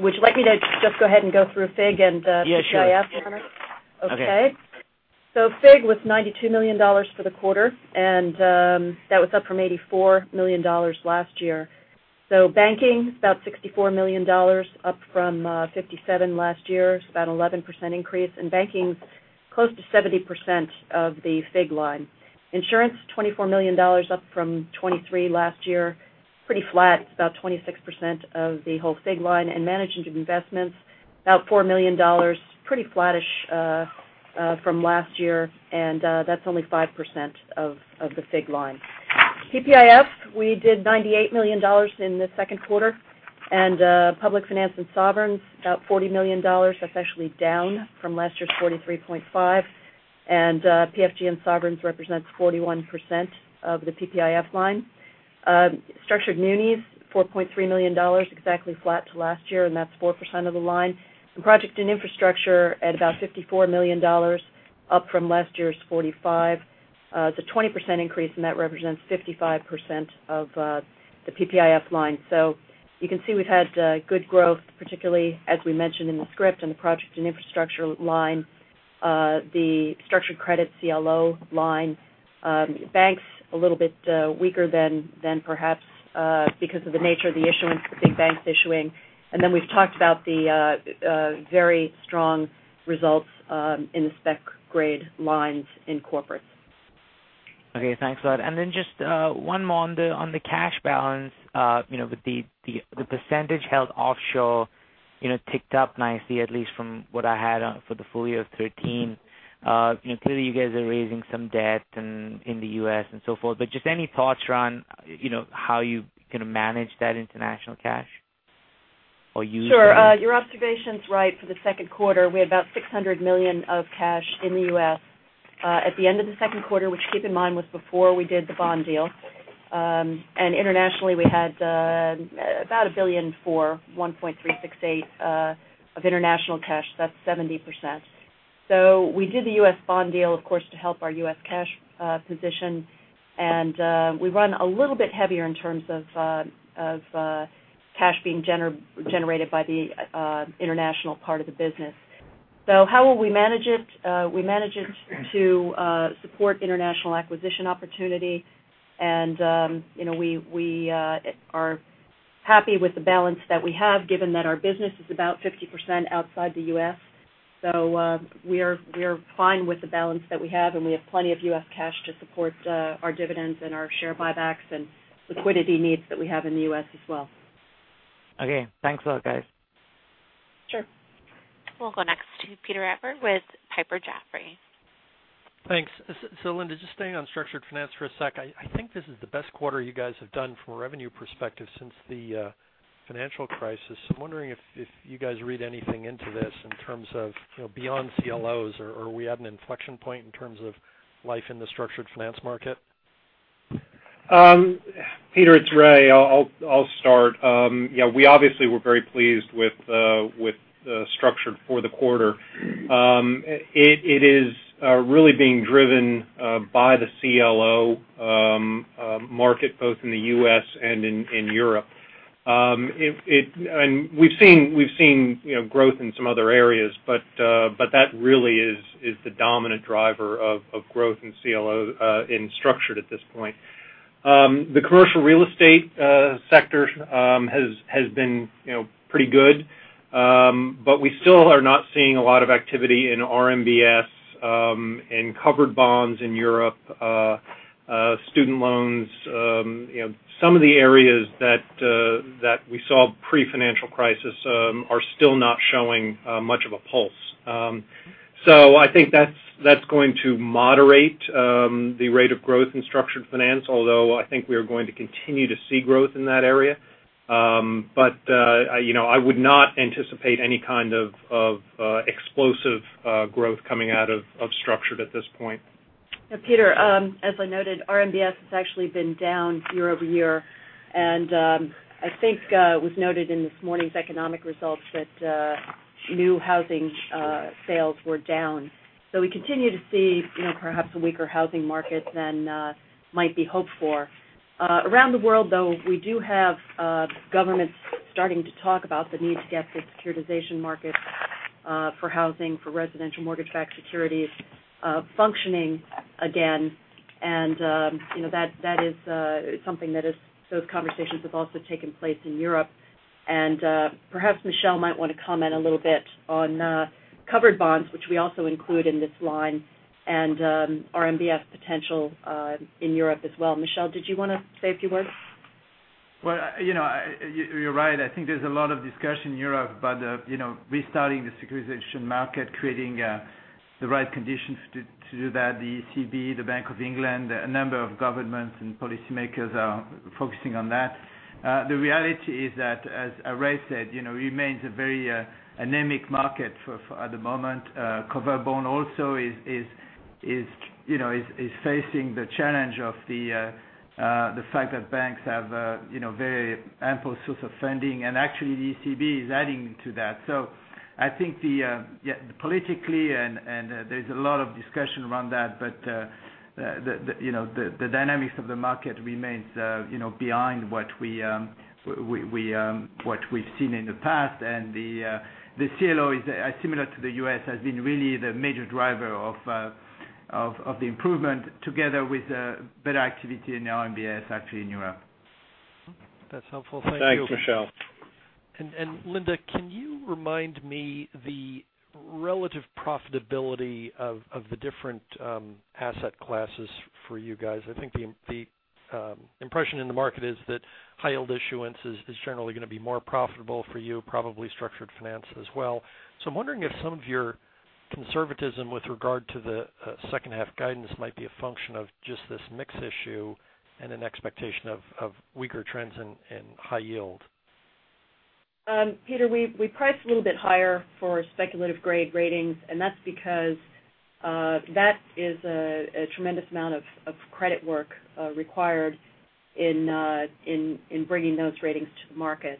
Would you like me to just go ahead and go through FIG and PPIF- Yeah, sure Manav? Okay. FIG was $92 million for the quarter, and that was up from $84 million last year. Banking, about $64 million, up from $57 million last year. It's about an 11% increase, and banking's close to 70% of the FIG line. Insurance, $24 million, up from $23 million last year, pretty flat. It's about 26% of the whole FIG line. Management of investments, about $4 million. Pretty flattish from last year, and that's only 5% of the FIG line. PPIF, we did $98 million in the second quarter, and Public Finance and sovereigns, about $40 million. That's actually down from last year's $43.5 million. PFG and sovereigns represents 41% of the PPIF line. Structured munis, $4.3 million, exactly flat to last year, and that's 4% of the line. Some project in infrastructure at about $54 million, up from last year's $45 million. It's a 20% increase, and that represents 55% of the PPIF line. You can see we've had good growth, particularly as we mentioned in the script, on the project and infrastructure line. The structured credit CLO line. Banks, a little bit weaker than perhaps because of the nature of the issuance, the big banks issuing. We've talked about the very strong results in the spec grade lines in corporates. Okay, thanks a lot. Just one more on the cash balance. The percentage held offshore ticked up nicely, at least from what I had for the full year of 2013. Clearly you guys are raising some debt in the U.S. and so forth. Just any thoughts around how you're going to manage that international cash or use it? Sure. Your observation's right. For the second quarter, we had about $600 million of cash in the U.S. at the end of the second quarter, which keep in mind was before we did the bond deal. Internationally, we had about a billion for $1.368 billion of international cash. That's 70%. We did the U.S. bond deal, of course, to help our U.S. cash position, and we run a little bit heavier in terms of cash being generated by the international part of the business. How will we manage it? We manage it to support international acquisition opportunity, and we are happy with the balance that we have given that our business is about 50% outside the U.S. We're fine with the balance that we have, and we have plenty of U.S. cash to support our dividends and our share buybacks and liquidity needs that we have in the U.S. as well. Okay. Thanks a lot, guys. Sure. We'll go next to Peter Appert with Piper Jaffray. Thanks. Linda, just staying on structured finance for a sec, I think this is the best quarter you guys have done from a revenue perspective since the financial crisis. I'm wondering if you guys read anything into this in terms of beyond CLOs, or are we at an inflection point in terms of life in the structured finance market? Peter, it's Ray. I'll start. We obviously were very pleased with Structured for the quarter. It is really being driven by the CLO market, both in the U.S. and in Europe. We've seen growth in some other areas, but that really is the dominant driver of growth in CLO in Structured at this point. The commercial real estate sector has been pretty good. We still are not seeing a lot of activity in RMBS, in covered bonds in Europe, student loans. Some of the areas that we saw pre-financial crisis are still not showing much of a pulse. I think that's going to moderate the rate of growth in structured finance, although I think we are going to continue to see growth in that area. I would not anticipate any kind of explosive growth coming out of Structured at this point. Peter, as I noted, RMBS has actually been down year-over-year, and I think it was noted in this morning's economic results that new housing sales were down. We continue to see perhaps a weaker housing market than might be hoped for. Around the world, though, we do have governments starting to talk about the need to get the securitization market for housing, for residential mortgage-backed securities functioning again. That is something that those conversations have also taken place in Europe. Perhaps Michel might want to comment a little bit on covered bonds, which we also include in this line, and RMBS potential in Europe as well. Michel, did you want to say a few words? Well, you're right. I think there's a lot of discussion in Europe about restarting the securitization market, creating the right conditions to do that. The ECB, the Bank of England, a number of governments and policymakers are focusing on that. The reality is that, as Ray said, it remains a very anemic market at the moment. Covered bond also is facing the challenge of the fact that banks have very ample source of funding, and actually the ECB is adding to that. I think politically, and there's a lot of discussion around that, but the dynamics of the market remains behind what we've seen in the past. The CLO is similar to the U.S., has been really the major driver of the improvement together with better activity in RMBS, actually in Europe. That's helpful. Thank you. Thanks, Michel. Linda, can you remind me the relative profitability of the different asset classes for you guys? I think the impression in the market is that high-yield issuance is generally going to be more profitable for you, probably structured finance as well. I'm wondering if some of your conservatism with regard to the second half guidance might be a function of just this mix issue and an expectation of weaker trends in high-yield. Peter, we price a little bit higher for speculative-grade ratings. That's because that is a tremendous amount of credit work required in bringing those ratings to the market.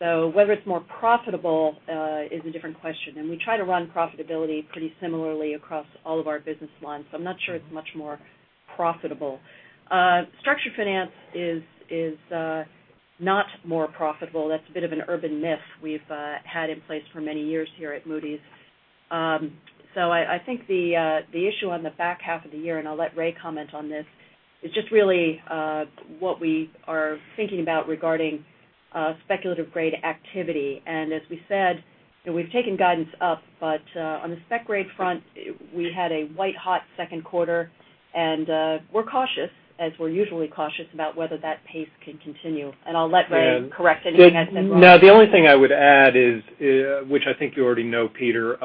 Whether it's more profitable is a different question. We try to run profitability pretty similarly across all of our business lines. I'm not sure it's much more profitable. Structured finance is not more profitable. That's a bit of an urban myth we've had in place for many years here at Moody's. I think the issue on the back half of the year, and I'll let Ray comment on this, is just really what we are thinking about regarding speculative-grade activity. As we said, we've taken guidance up. On the spec-grade front, we had a white-hot second quarter. We're cautious, as we're usually cautious about whether that pace can continue. I'll let Ray correct anything I said wrong. The only thing I would add is, which I think you already know, Peter,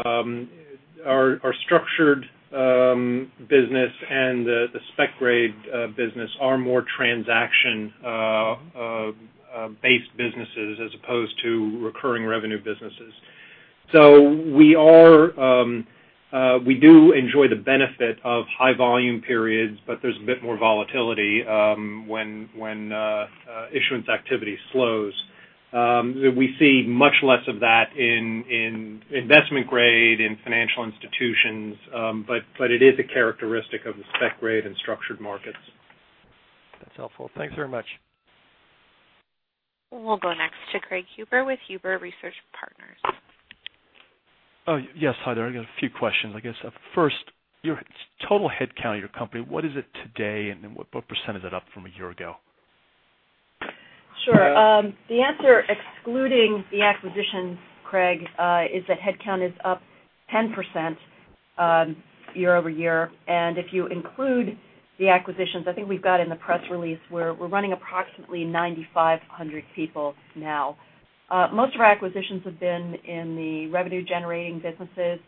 our structured business and the spec-grade business are more transaction-based businesses as opposed to recurring revenue businesses. We do enjoy the benefit of high volume periods, but there's a bit more volatility when issuance activity slows. We see much less of that in investment grade, in financial institutions. It is a characteristic of the spec grade and structured markets. That's helpful. Thanks very much. We'll go next to Craig Huber with Huber Research Partners. Yes. Hi there. I got a few questions, I guess. First, your total headcount of your company, what is it today, and then what % is it up from a year ago? Sure. The answer, excluding the acquisitions, Craig, is that headcount is up 10% year-over-year. If you include the acquisitions, I think we've got in the press release, we're running approximately 9,500 people now. Most of our acquisitions have been in the revenue-generating businesses,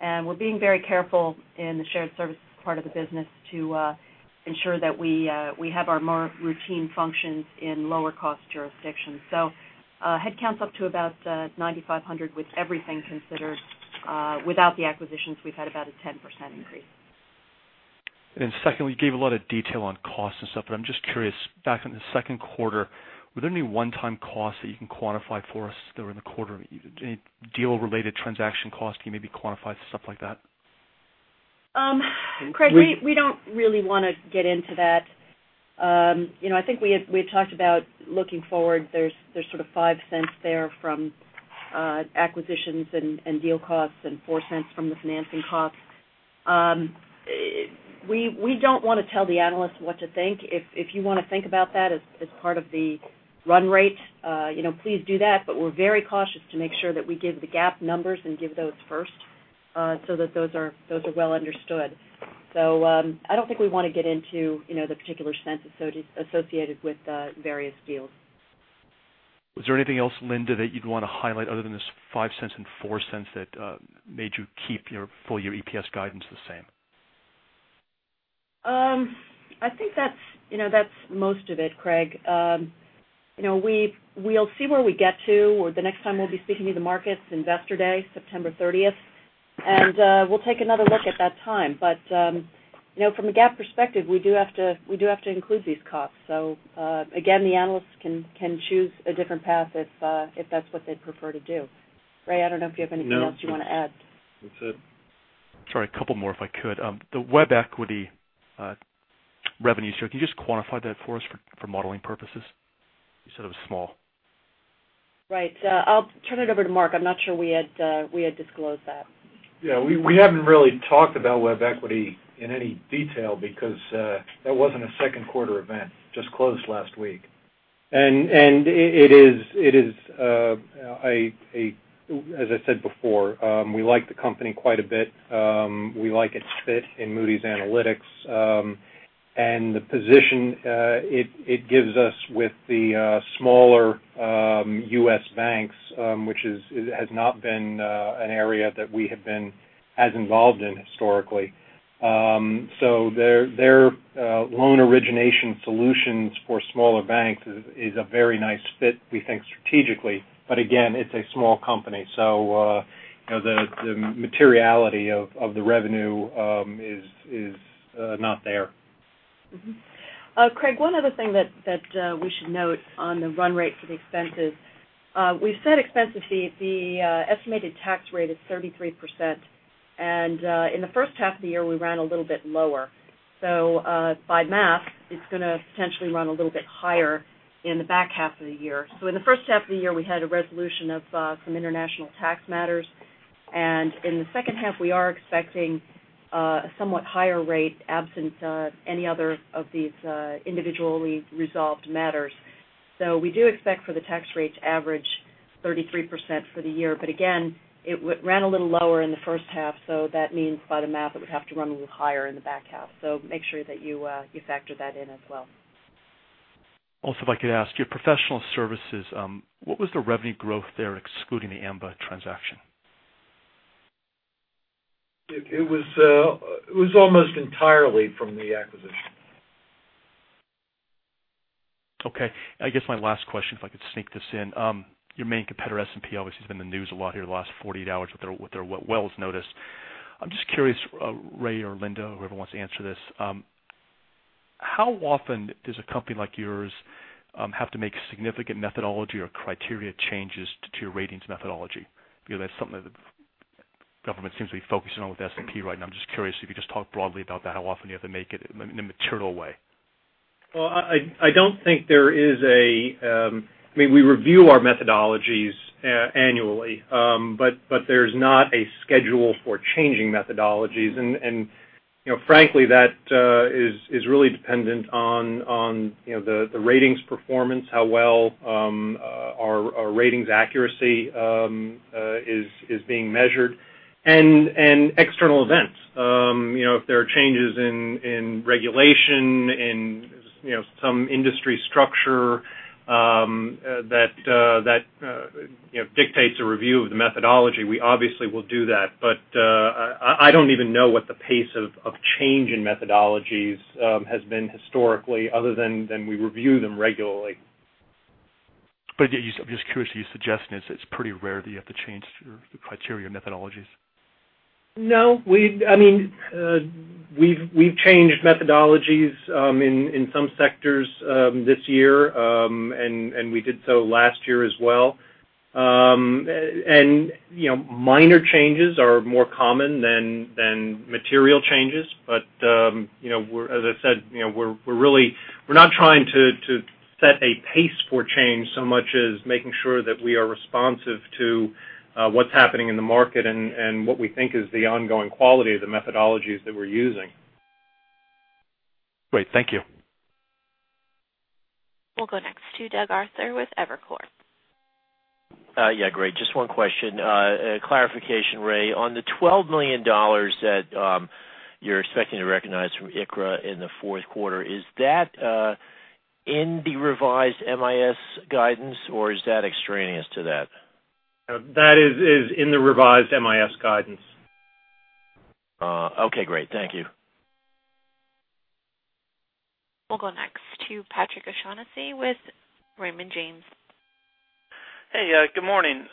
and we're being very careful in the shared services part of the business to ensure that we have our more routine functions in lower-cost jurisdictions. Headcount's up to about 9,500 with everything considered. Without the acquisitions, we've had about a 10% increase. Secondly, you gave a lot of detail on costs and stuff, but I'm just curious, back in the second quarter, were there any one-time costs that you can quantify for us that were in the quarter? Any deal-related transaction costs you maybe quantify, stuff like that? Craig, we don't really want to get into that. I think we had talked about looking forward, there's sort of $0.05 there from acquisitions and deal costs and $0.04 from the financing costs. We don't want to tell the analysts what to think. If you want to think about that as part of the run rate, please do that, but we're very cautious to make sure that we give the GAAP numbers and give those first, so that those are well understood. I don't think we want to get into the particular cents associated with various deals. Was there anything else, Linda, that you'd want to highlight other than this $0.05 and $0.04 that made you keep your full-year EPS guidance the same? I think that's most of it, Craig. We'll see where we get to, or the next time we'll be speaking to the markets, Investor Day, September 30th. We'll take another look at that time. From a GAAP perspective, we do have to include these costs. Again, the analysts can choose a different path if that's what they'd prefer to do. Ray, I don't know if you have anything else you want to add. No. That's it. Sorry, a couple more if I could. The WebEquity revenues here, can you just quantify that for us for modeling purposes? You said it was small. Right. I'll turn it over to Mark. I'm not sure we had disclosed that. Yeah, we haven't really talked about WebEquity in any detail because that wasn't a second quarter event, just closed last week. It is, as I said before, we like the company quite a bit. We like its fit in Moody's Analytics. The position it gives us with the smaller U.S. banks, which has not been an area that we have been as involved in historically. Their loan origination solutions for smaller banks is a very nice fit, we think, strategically, but again, it's a small company. The materiality of the revenue is not there. Craig, one other thing that we should note on the run rate for the expenses. We said expenses, the estimated tax rate is 33%, and in the first half of the year, we ran a little bit lower. By math, it's going to potentially run a little bit higher in the back half of the year. In the first half of the year, we had a resolution of some international tax matters, and in the second half, we are expecting a somewhat higher rate absent any other of these individually resolved matters. We do expect for the tax rate to average 33% for the year, but again, it ran a little lower in the first half, so that means by the math, it would have to run a little higher in the back half. Make sure that you factor that in as well. Also, if I could ask, your professional services, what was the revenue growth there excluding the Amba transaction? It was almost entirely from the acquisition. Okay. I guess my last question, if I could sneak this in. Your main competitor, S&P, obviously has been in the news a lot here the last 48 hours with their Wells notice. I'm just curious, Ray or Linda, whoever wants to answer this, how often does a company like yours have to make significant methodology or criteria changes to your ratings methodology? Because that's something that the government seems to be focusing on with S&P right now. I'm just curious if you could just talk broadly about that, how often do you have to make it in a material way? Well, I don't think there is. I mean, we review our methodologies annually. There's not a schedule for changing methodologies. Frankly, that is really dependent on the ratings performance, how well our ratings accuracy is being measured and external events. If there are changes in regulation, in some industry structure that dictates a review of the methodology, we obviously will do that. I don't even know what the pace of change in methodologies has been historically other than we review them regularly. Yeah, I'm just curious, you're suggesting it's pretty rare that you have to change the criteria methodologies. No. We've changed methodologies in some sectors this year, we did so last year as well. Minor changes are more common than material changes. As I said, we're not trying to set a pace for change so much as making sure that we are responsive to what's happening in the market and what we think is the ongoing quality of the methodologies that we're using. Great. Thank you. We'll go next to Doug Arthur with Evercore. Great. Just one question. A clarification, Ray. On the $12 million that you're expecting to recognize from ICRA in the fourth quarter, is that in the revised MIS guidance, or is that extraneous to that? That is in the revised MIS guidance. Okay, great. Thank you. We'll go next to Patrick O'Shaughnessy with Raymond James. Hey, good morning.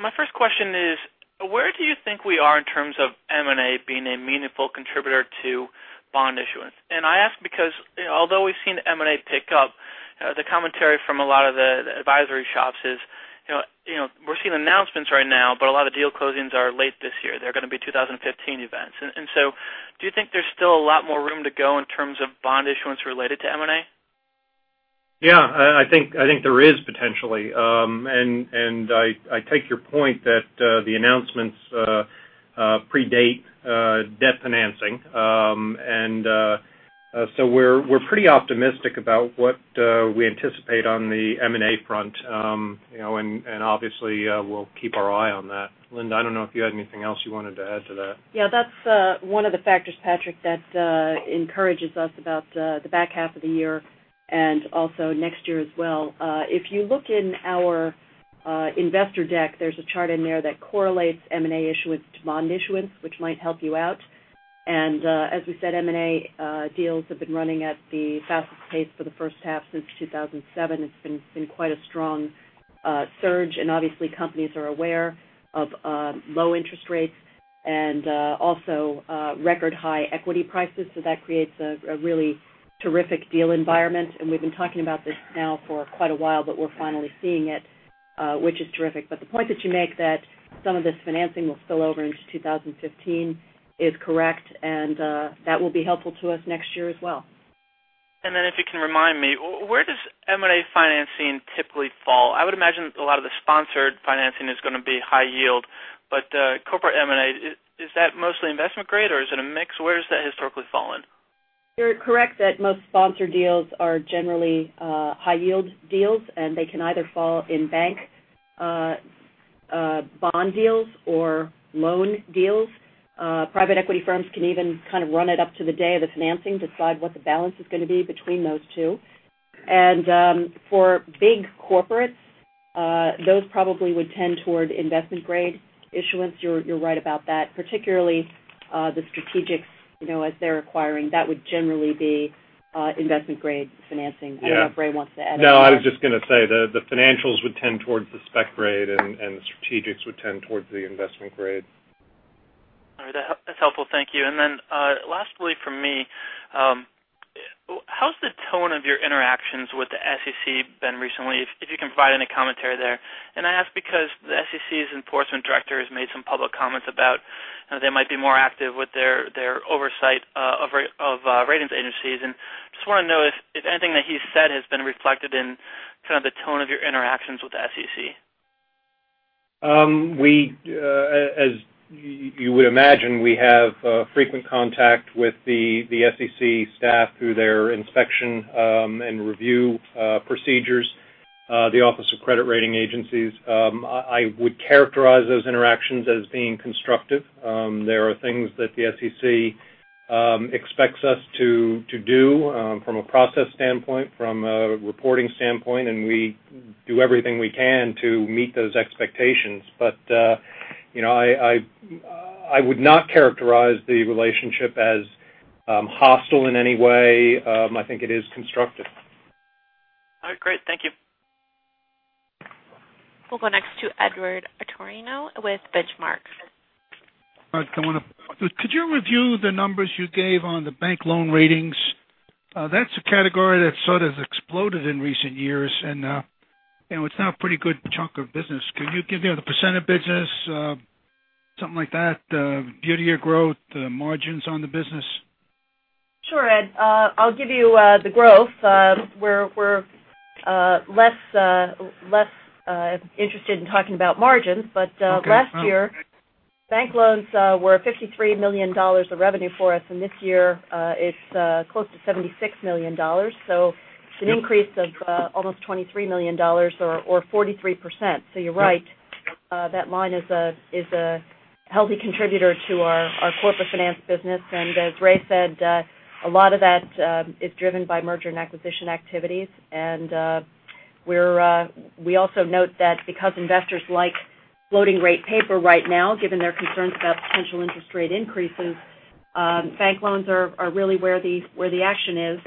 My first question is, where do you think we are in terms of M&A being a meaningful contributor to bond issuance? I ask because although we've seen M&A pick up, the commentary from a lot of the advisory shops is, we're seeing announcements right now, but a lot of deal closings are late this year. They're going to be 2015 events. Do you think there's still a lot more room to go in terms of bond issuance related to M&A? I think there is potentially. I take your point that the announcements predate debt financing. We're pretty optimistic about what we anticipate on the M&A front. Obviously, we'll keep our eye on that. Linda, I don't know if you had anything else you wanted to add to that. That's one of the factors, Patrick, that encourages us about the back half of the year and also next year as well. If you look in our investor deck, there's a chart in there that correlates M&A issuance to bond issuance, which might help you out. As we said, M&A deals have been running at the fastest pace for the first half since 2007. It's been quite a strong surge, and obviously companies are aware of low interest rates and also record-high equity prices, so that creates a really terrific deal environment. We've been talking about this now for quite a while, but we're finally seeing it, which is terrific. The point that you make that some of this financing will spill over into 2015 is correct, and that will be helpful to us next year as well. Then if you can remind me, where does M&A financing typically fall? I would imagine a lot of the sponsored financing is going to be high yield, but corporate M&A, is that mostly investment grade or is it a mix? Where has that historically fallen? You're correct that most sponsored deals are generally high-yield deals, and they can either fall in bank bond deals or loan deals. Private equity firms can even kind of run it up to the day of the financing, decide what the balance is going to be between those two. For big corporates, those probably would tend toward investment-grade issuance. You're right about that. Particularly the strategics, as they're acquiring, that would generally be investment-grade financing. Yeah. I don't know if Ray wants to add anything. I was just going to say, the financials would tend towards the spec grade and the strategics would tend towards the investment grade. All right. That's helpful. Thank you. Lastly from me, how's the tone of your interactions with the SEC been recently, if you can provide any commentary there? I ask because the SEC's enforcement director has made some public comments about how they might be more active with their oversight of ratings agencies. I just want to know if anything that he said has been reflected in kind of the tone of your interactions with the SEC. As you would imagine, we have frequent contact with the SEC staff through their inspection and review procedures, the Office of Credit Ratings. I would characterize those interactions as being constructive. There are things that the SEC expects us to do from a process standpoint, from a reporting standpoint, and we do everything we can to meet those expectations. I would not characterize the relationship as hostile in any way. I think it is constructive. All right, great. Thank you. We'll go next to Edward Atorino with Benchmark. Ed, good morning. Could you review the numbers you gave on the bank loan ratings? That's a category that sort of exploded in recent years, and it's now a pretty good chunk of business. Could you give the % of business, something like that, year-over-year growth, the margins on the business? Sure, Ed. I'll give you the growth. We're less interested in talking about margins. Okay. Last year, bank loans were $53 million of revenue for us, and this year, it's close to $76 million. It's an increase of almost $23 million or 43%. You're right. That line is a healthy contributor to our corporate finance business. As Ray said, a lot of that is driven by merger and acquisition activities. We also note that because investors like floating rate paper right now, given their concerns about potential interest rate increases, bank loans are really where the action is,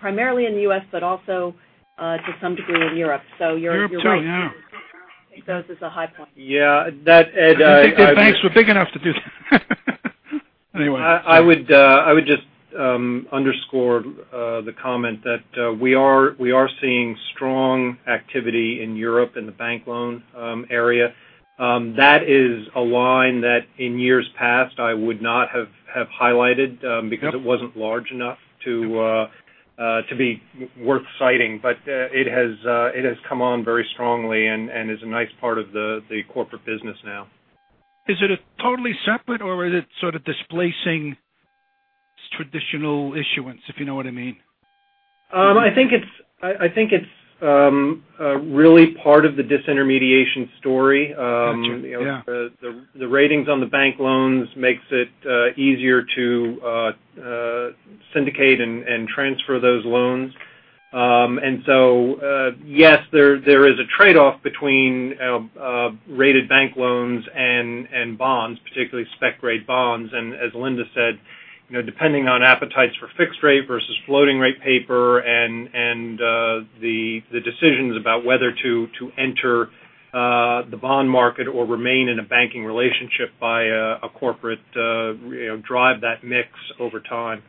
primarily in the U.S., but also to some degree in Europe. You're right. Europe too, yeah. It does. It's a high point. Yeah, Ed, I would- I didn't think the banks were big enough to do that. Anyway. I would just underscore the comment that we are seeing strong activity in Europe in the bank loan area. That is a line that in years past I would not have highlighted. Yep It wasn't large enough to be worth citing. It has come on very strongly and is a nice part of the corporate business now. Is it a totally separate or is it sort of displacing traditional issuance, if you know what I mean? I think it's really part of the disintermediation story. Got you. Yeah. The ratings on the bank loans makes it easier to syndicate and transfer those loans. Yes, there is a trade-off between rated bank loans and bonds, particularly spec-grade bonds. As Linda said, depending on appetites for fixed rate versus floating rate paper and the decisions about whether to enter the bond market or remain in a banking relationship by a corporate drive that mix over time.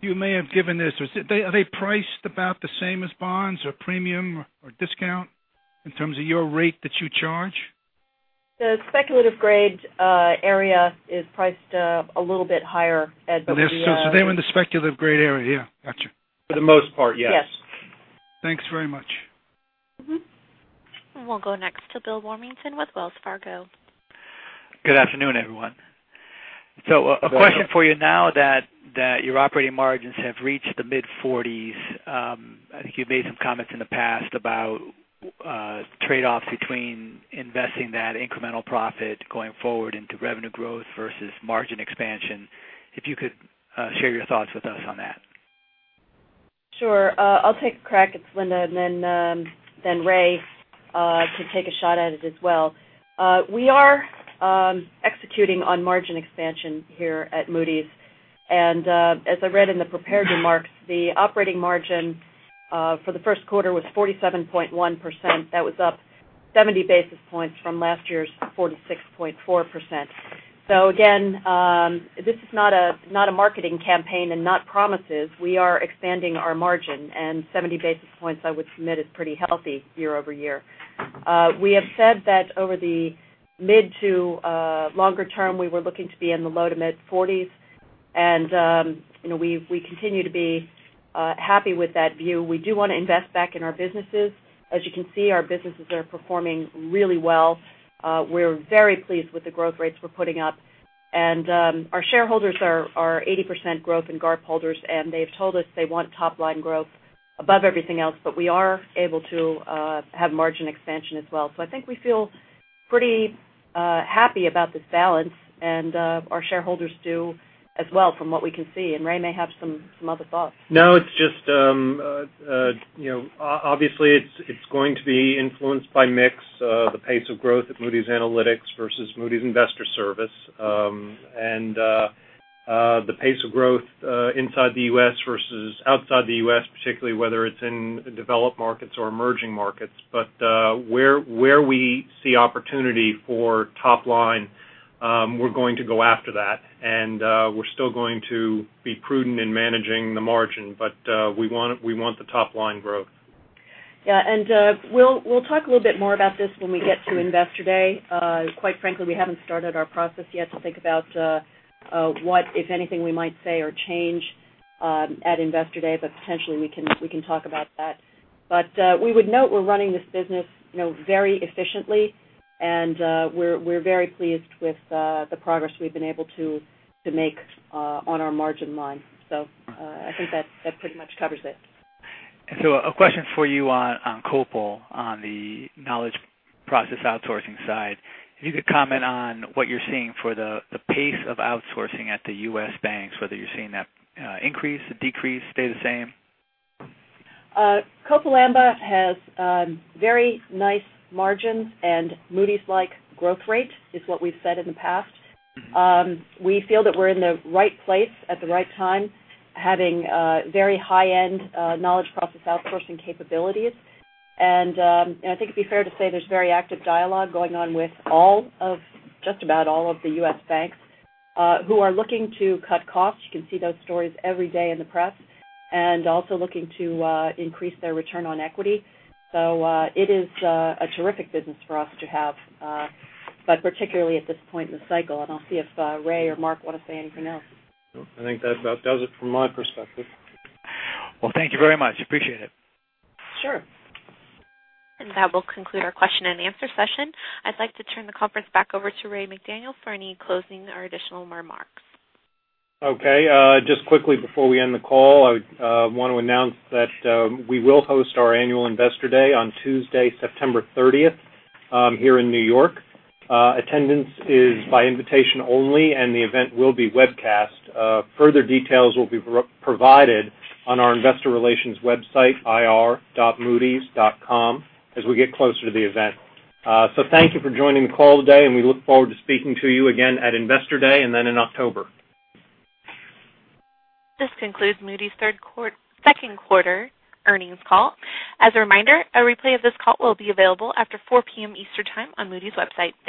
You may have given this. Are they priced about the same as bonds or premium or discount in terms of your rate that you charge? The speculative grade area is priced a little bit higher, Ed. They're in the speculative grade area, yeah. Got you. For the most part, yes. Yes. Thanks very much. We'll go next to Bill Warmington with Wells Fargo. Good afternoon, everyone. A question for you now that your operating margins have reached the mid-40s. I think you've made some comments in the past about trade-offs between investing that incremental profit going forward into revenue growth versus margin expansion. If you could share your thoughts with us on that. Sure. I'll take a crack. It's Linda, and then Ray can take a shot at it as well. We are executing on margin expansion here at Moody's. As I read in the prepared remarks, the operating margin for the first quarter was 47.1%. That was up 70 basis points from last year's 46.4%. Again, this is not a marketing campaign and not promises. We are expanding our margin, and 70 basis points I would submit is pretty healthy year-over-year. We have said that over the mid to longer term, we were looking to be in the low to mid-40s and we continue to be happy with that view. We do want to invest back in our businesses. As you can see, our businesses are performing really well. We're very pleased with the growth rates we're putting up. Our shareholders are 80% growth and GARP holders, and they've told us they want top-line growth above everything else, but we are able to have margin expansion as well. I think we feel pretty happy about this balance, and our shareholders do as well from what we can see, and Ray may have some other thoughts. It's just, obviously it's going to be influenced by mix, the pace of growth at Moody's Analytics versus Moody's Investors Service, and the pace of growth inside the U.S. versus outside the U.S., particularly whether it's in developed markets or emerging markets. Where we see opportunity for top-line, we're going to go after that. We're still going to be prudent in managing the margin. We want the top-line growth. Yeah. We'll talk a little bit more about this when we get to Investor Day. Quite frankly, we haven't started our process yet to think about what, if anything, we might say or change at Investor Day, potentially we can talk about that. We would note we're running this business very efficiently, and we're very pleased with the progress we've been able to make on our margin line. I think that pretty much covers it. A question for you on Copal, on the knowledge process outsourcing side. If you could comment on what you're seeing for the pace of outsourcing at the U.S. banks, whether you're seeing that increase or decrease, stay the same? Copal Amba has very nice margins, and Moody's-like growth rate is what we've said in the past. We feel that we're in the right place at the right time, having very high-end knowledge process outsourcing capabilities. I think it'd be fair to say there's very active dialogue going on with just about all of the U.S. banks who are looking to cut costs. You can see those stories every day in the press. Also looking to increase their return on equity. It is a terrific business for us to have, particularly at this point in the cycle, and I'll see if Ray or Mark want to say anything else. No. I think that about does it from my perspective. Well, thank you very much. Appreciate it. Sure. That will conclude our question and answer session. I'd like to turn the conference back over to Raymond McDaniel for any closing or additional remarks. Okay. Just quickly before we end the call, I want to announce that we will host our annual Investor Day on Tuesday, September 30th, here in New York. Attendance is by invitation only, and the event will be webcast. Further details will be provided on our investor relations website, ir.moodys.com, as we get closer to the event. Thank you for joining the call today, and we look forward to speaking to you again at Investor Day and then in October. This concludes Moody's second quarter earnings call. As a reminder, a replay of this call will be available after 4 P.M. Eastern Time on Moody's website. Thank you.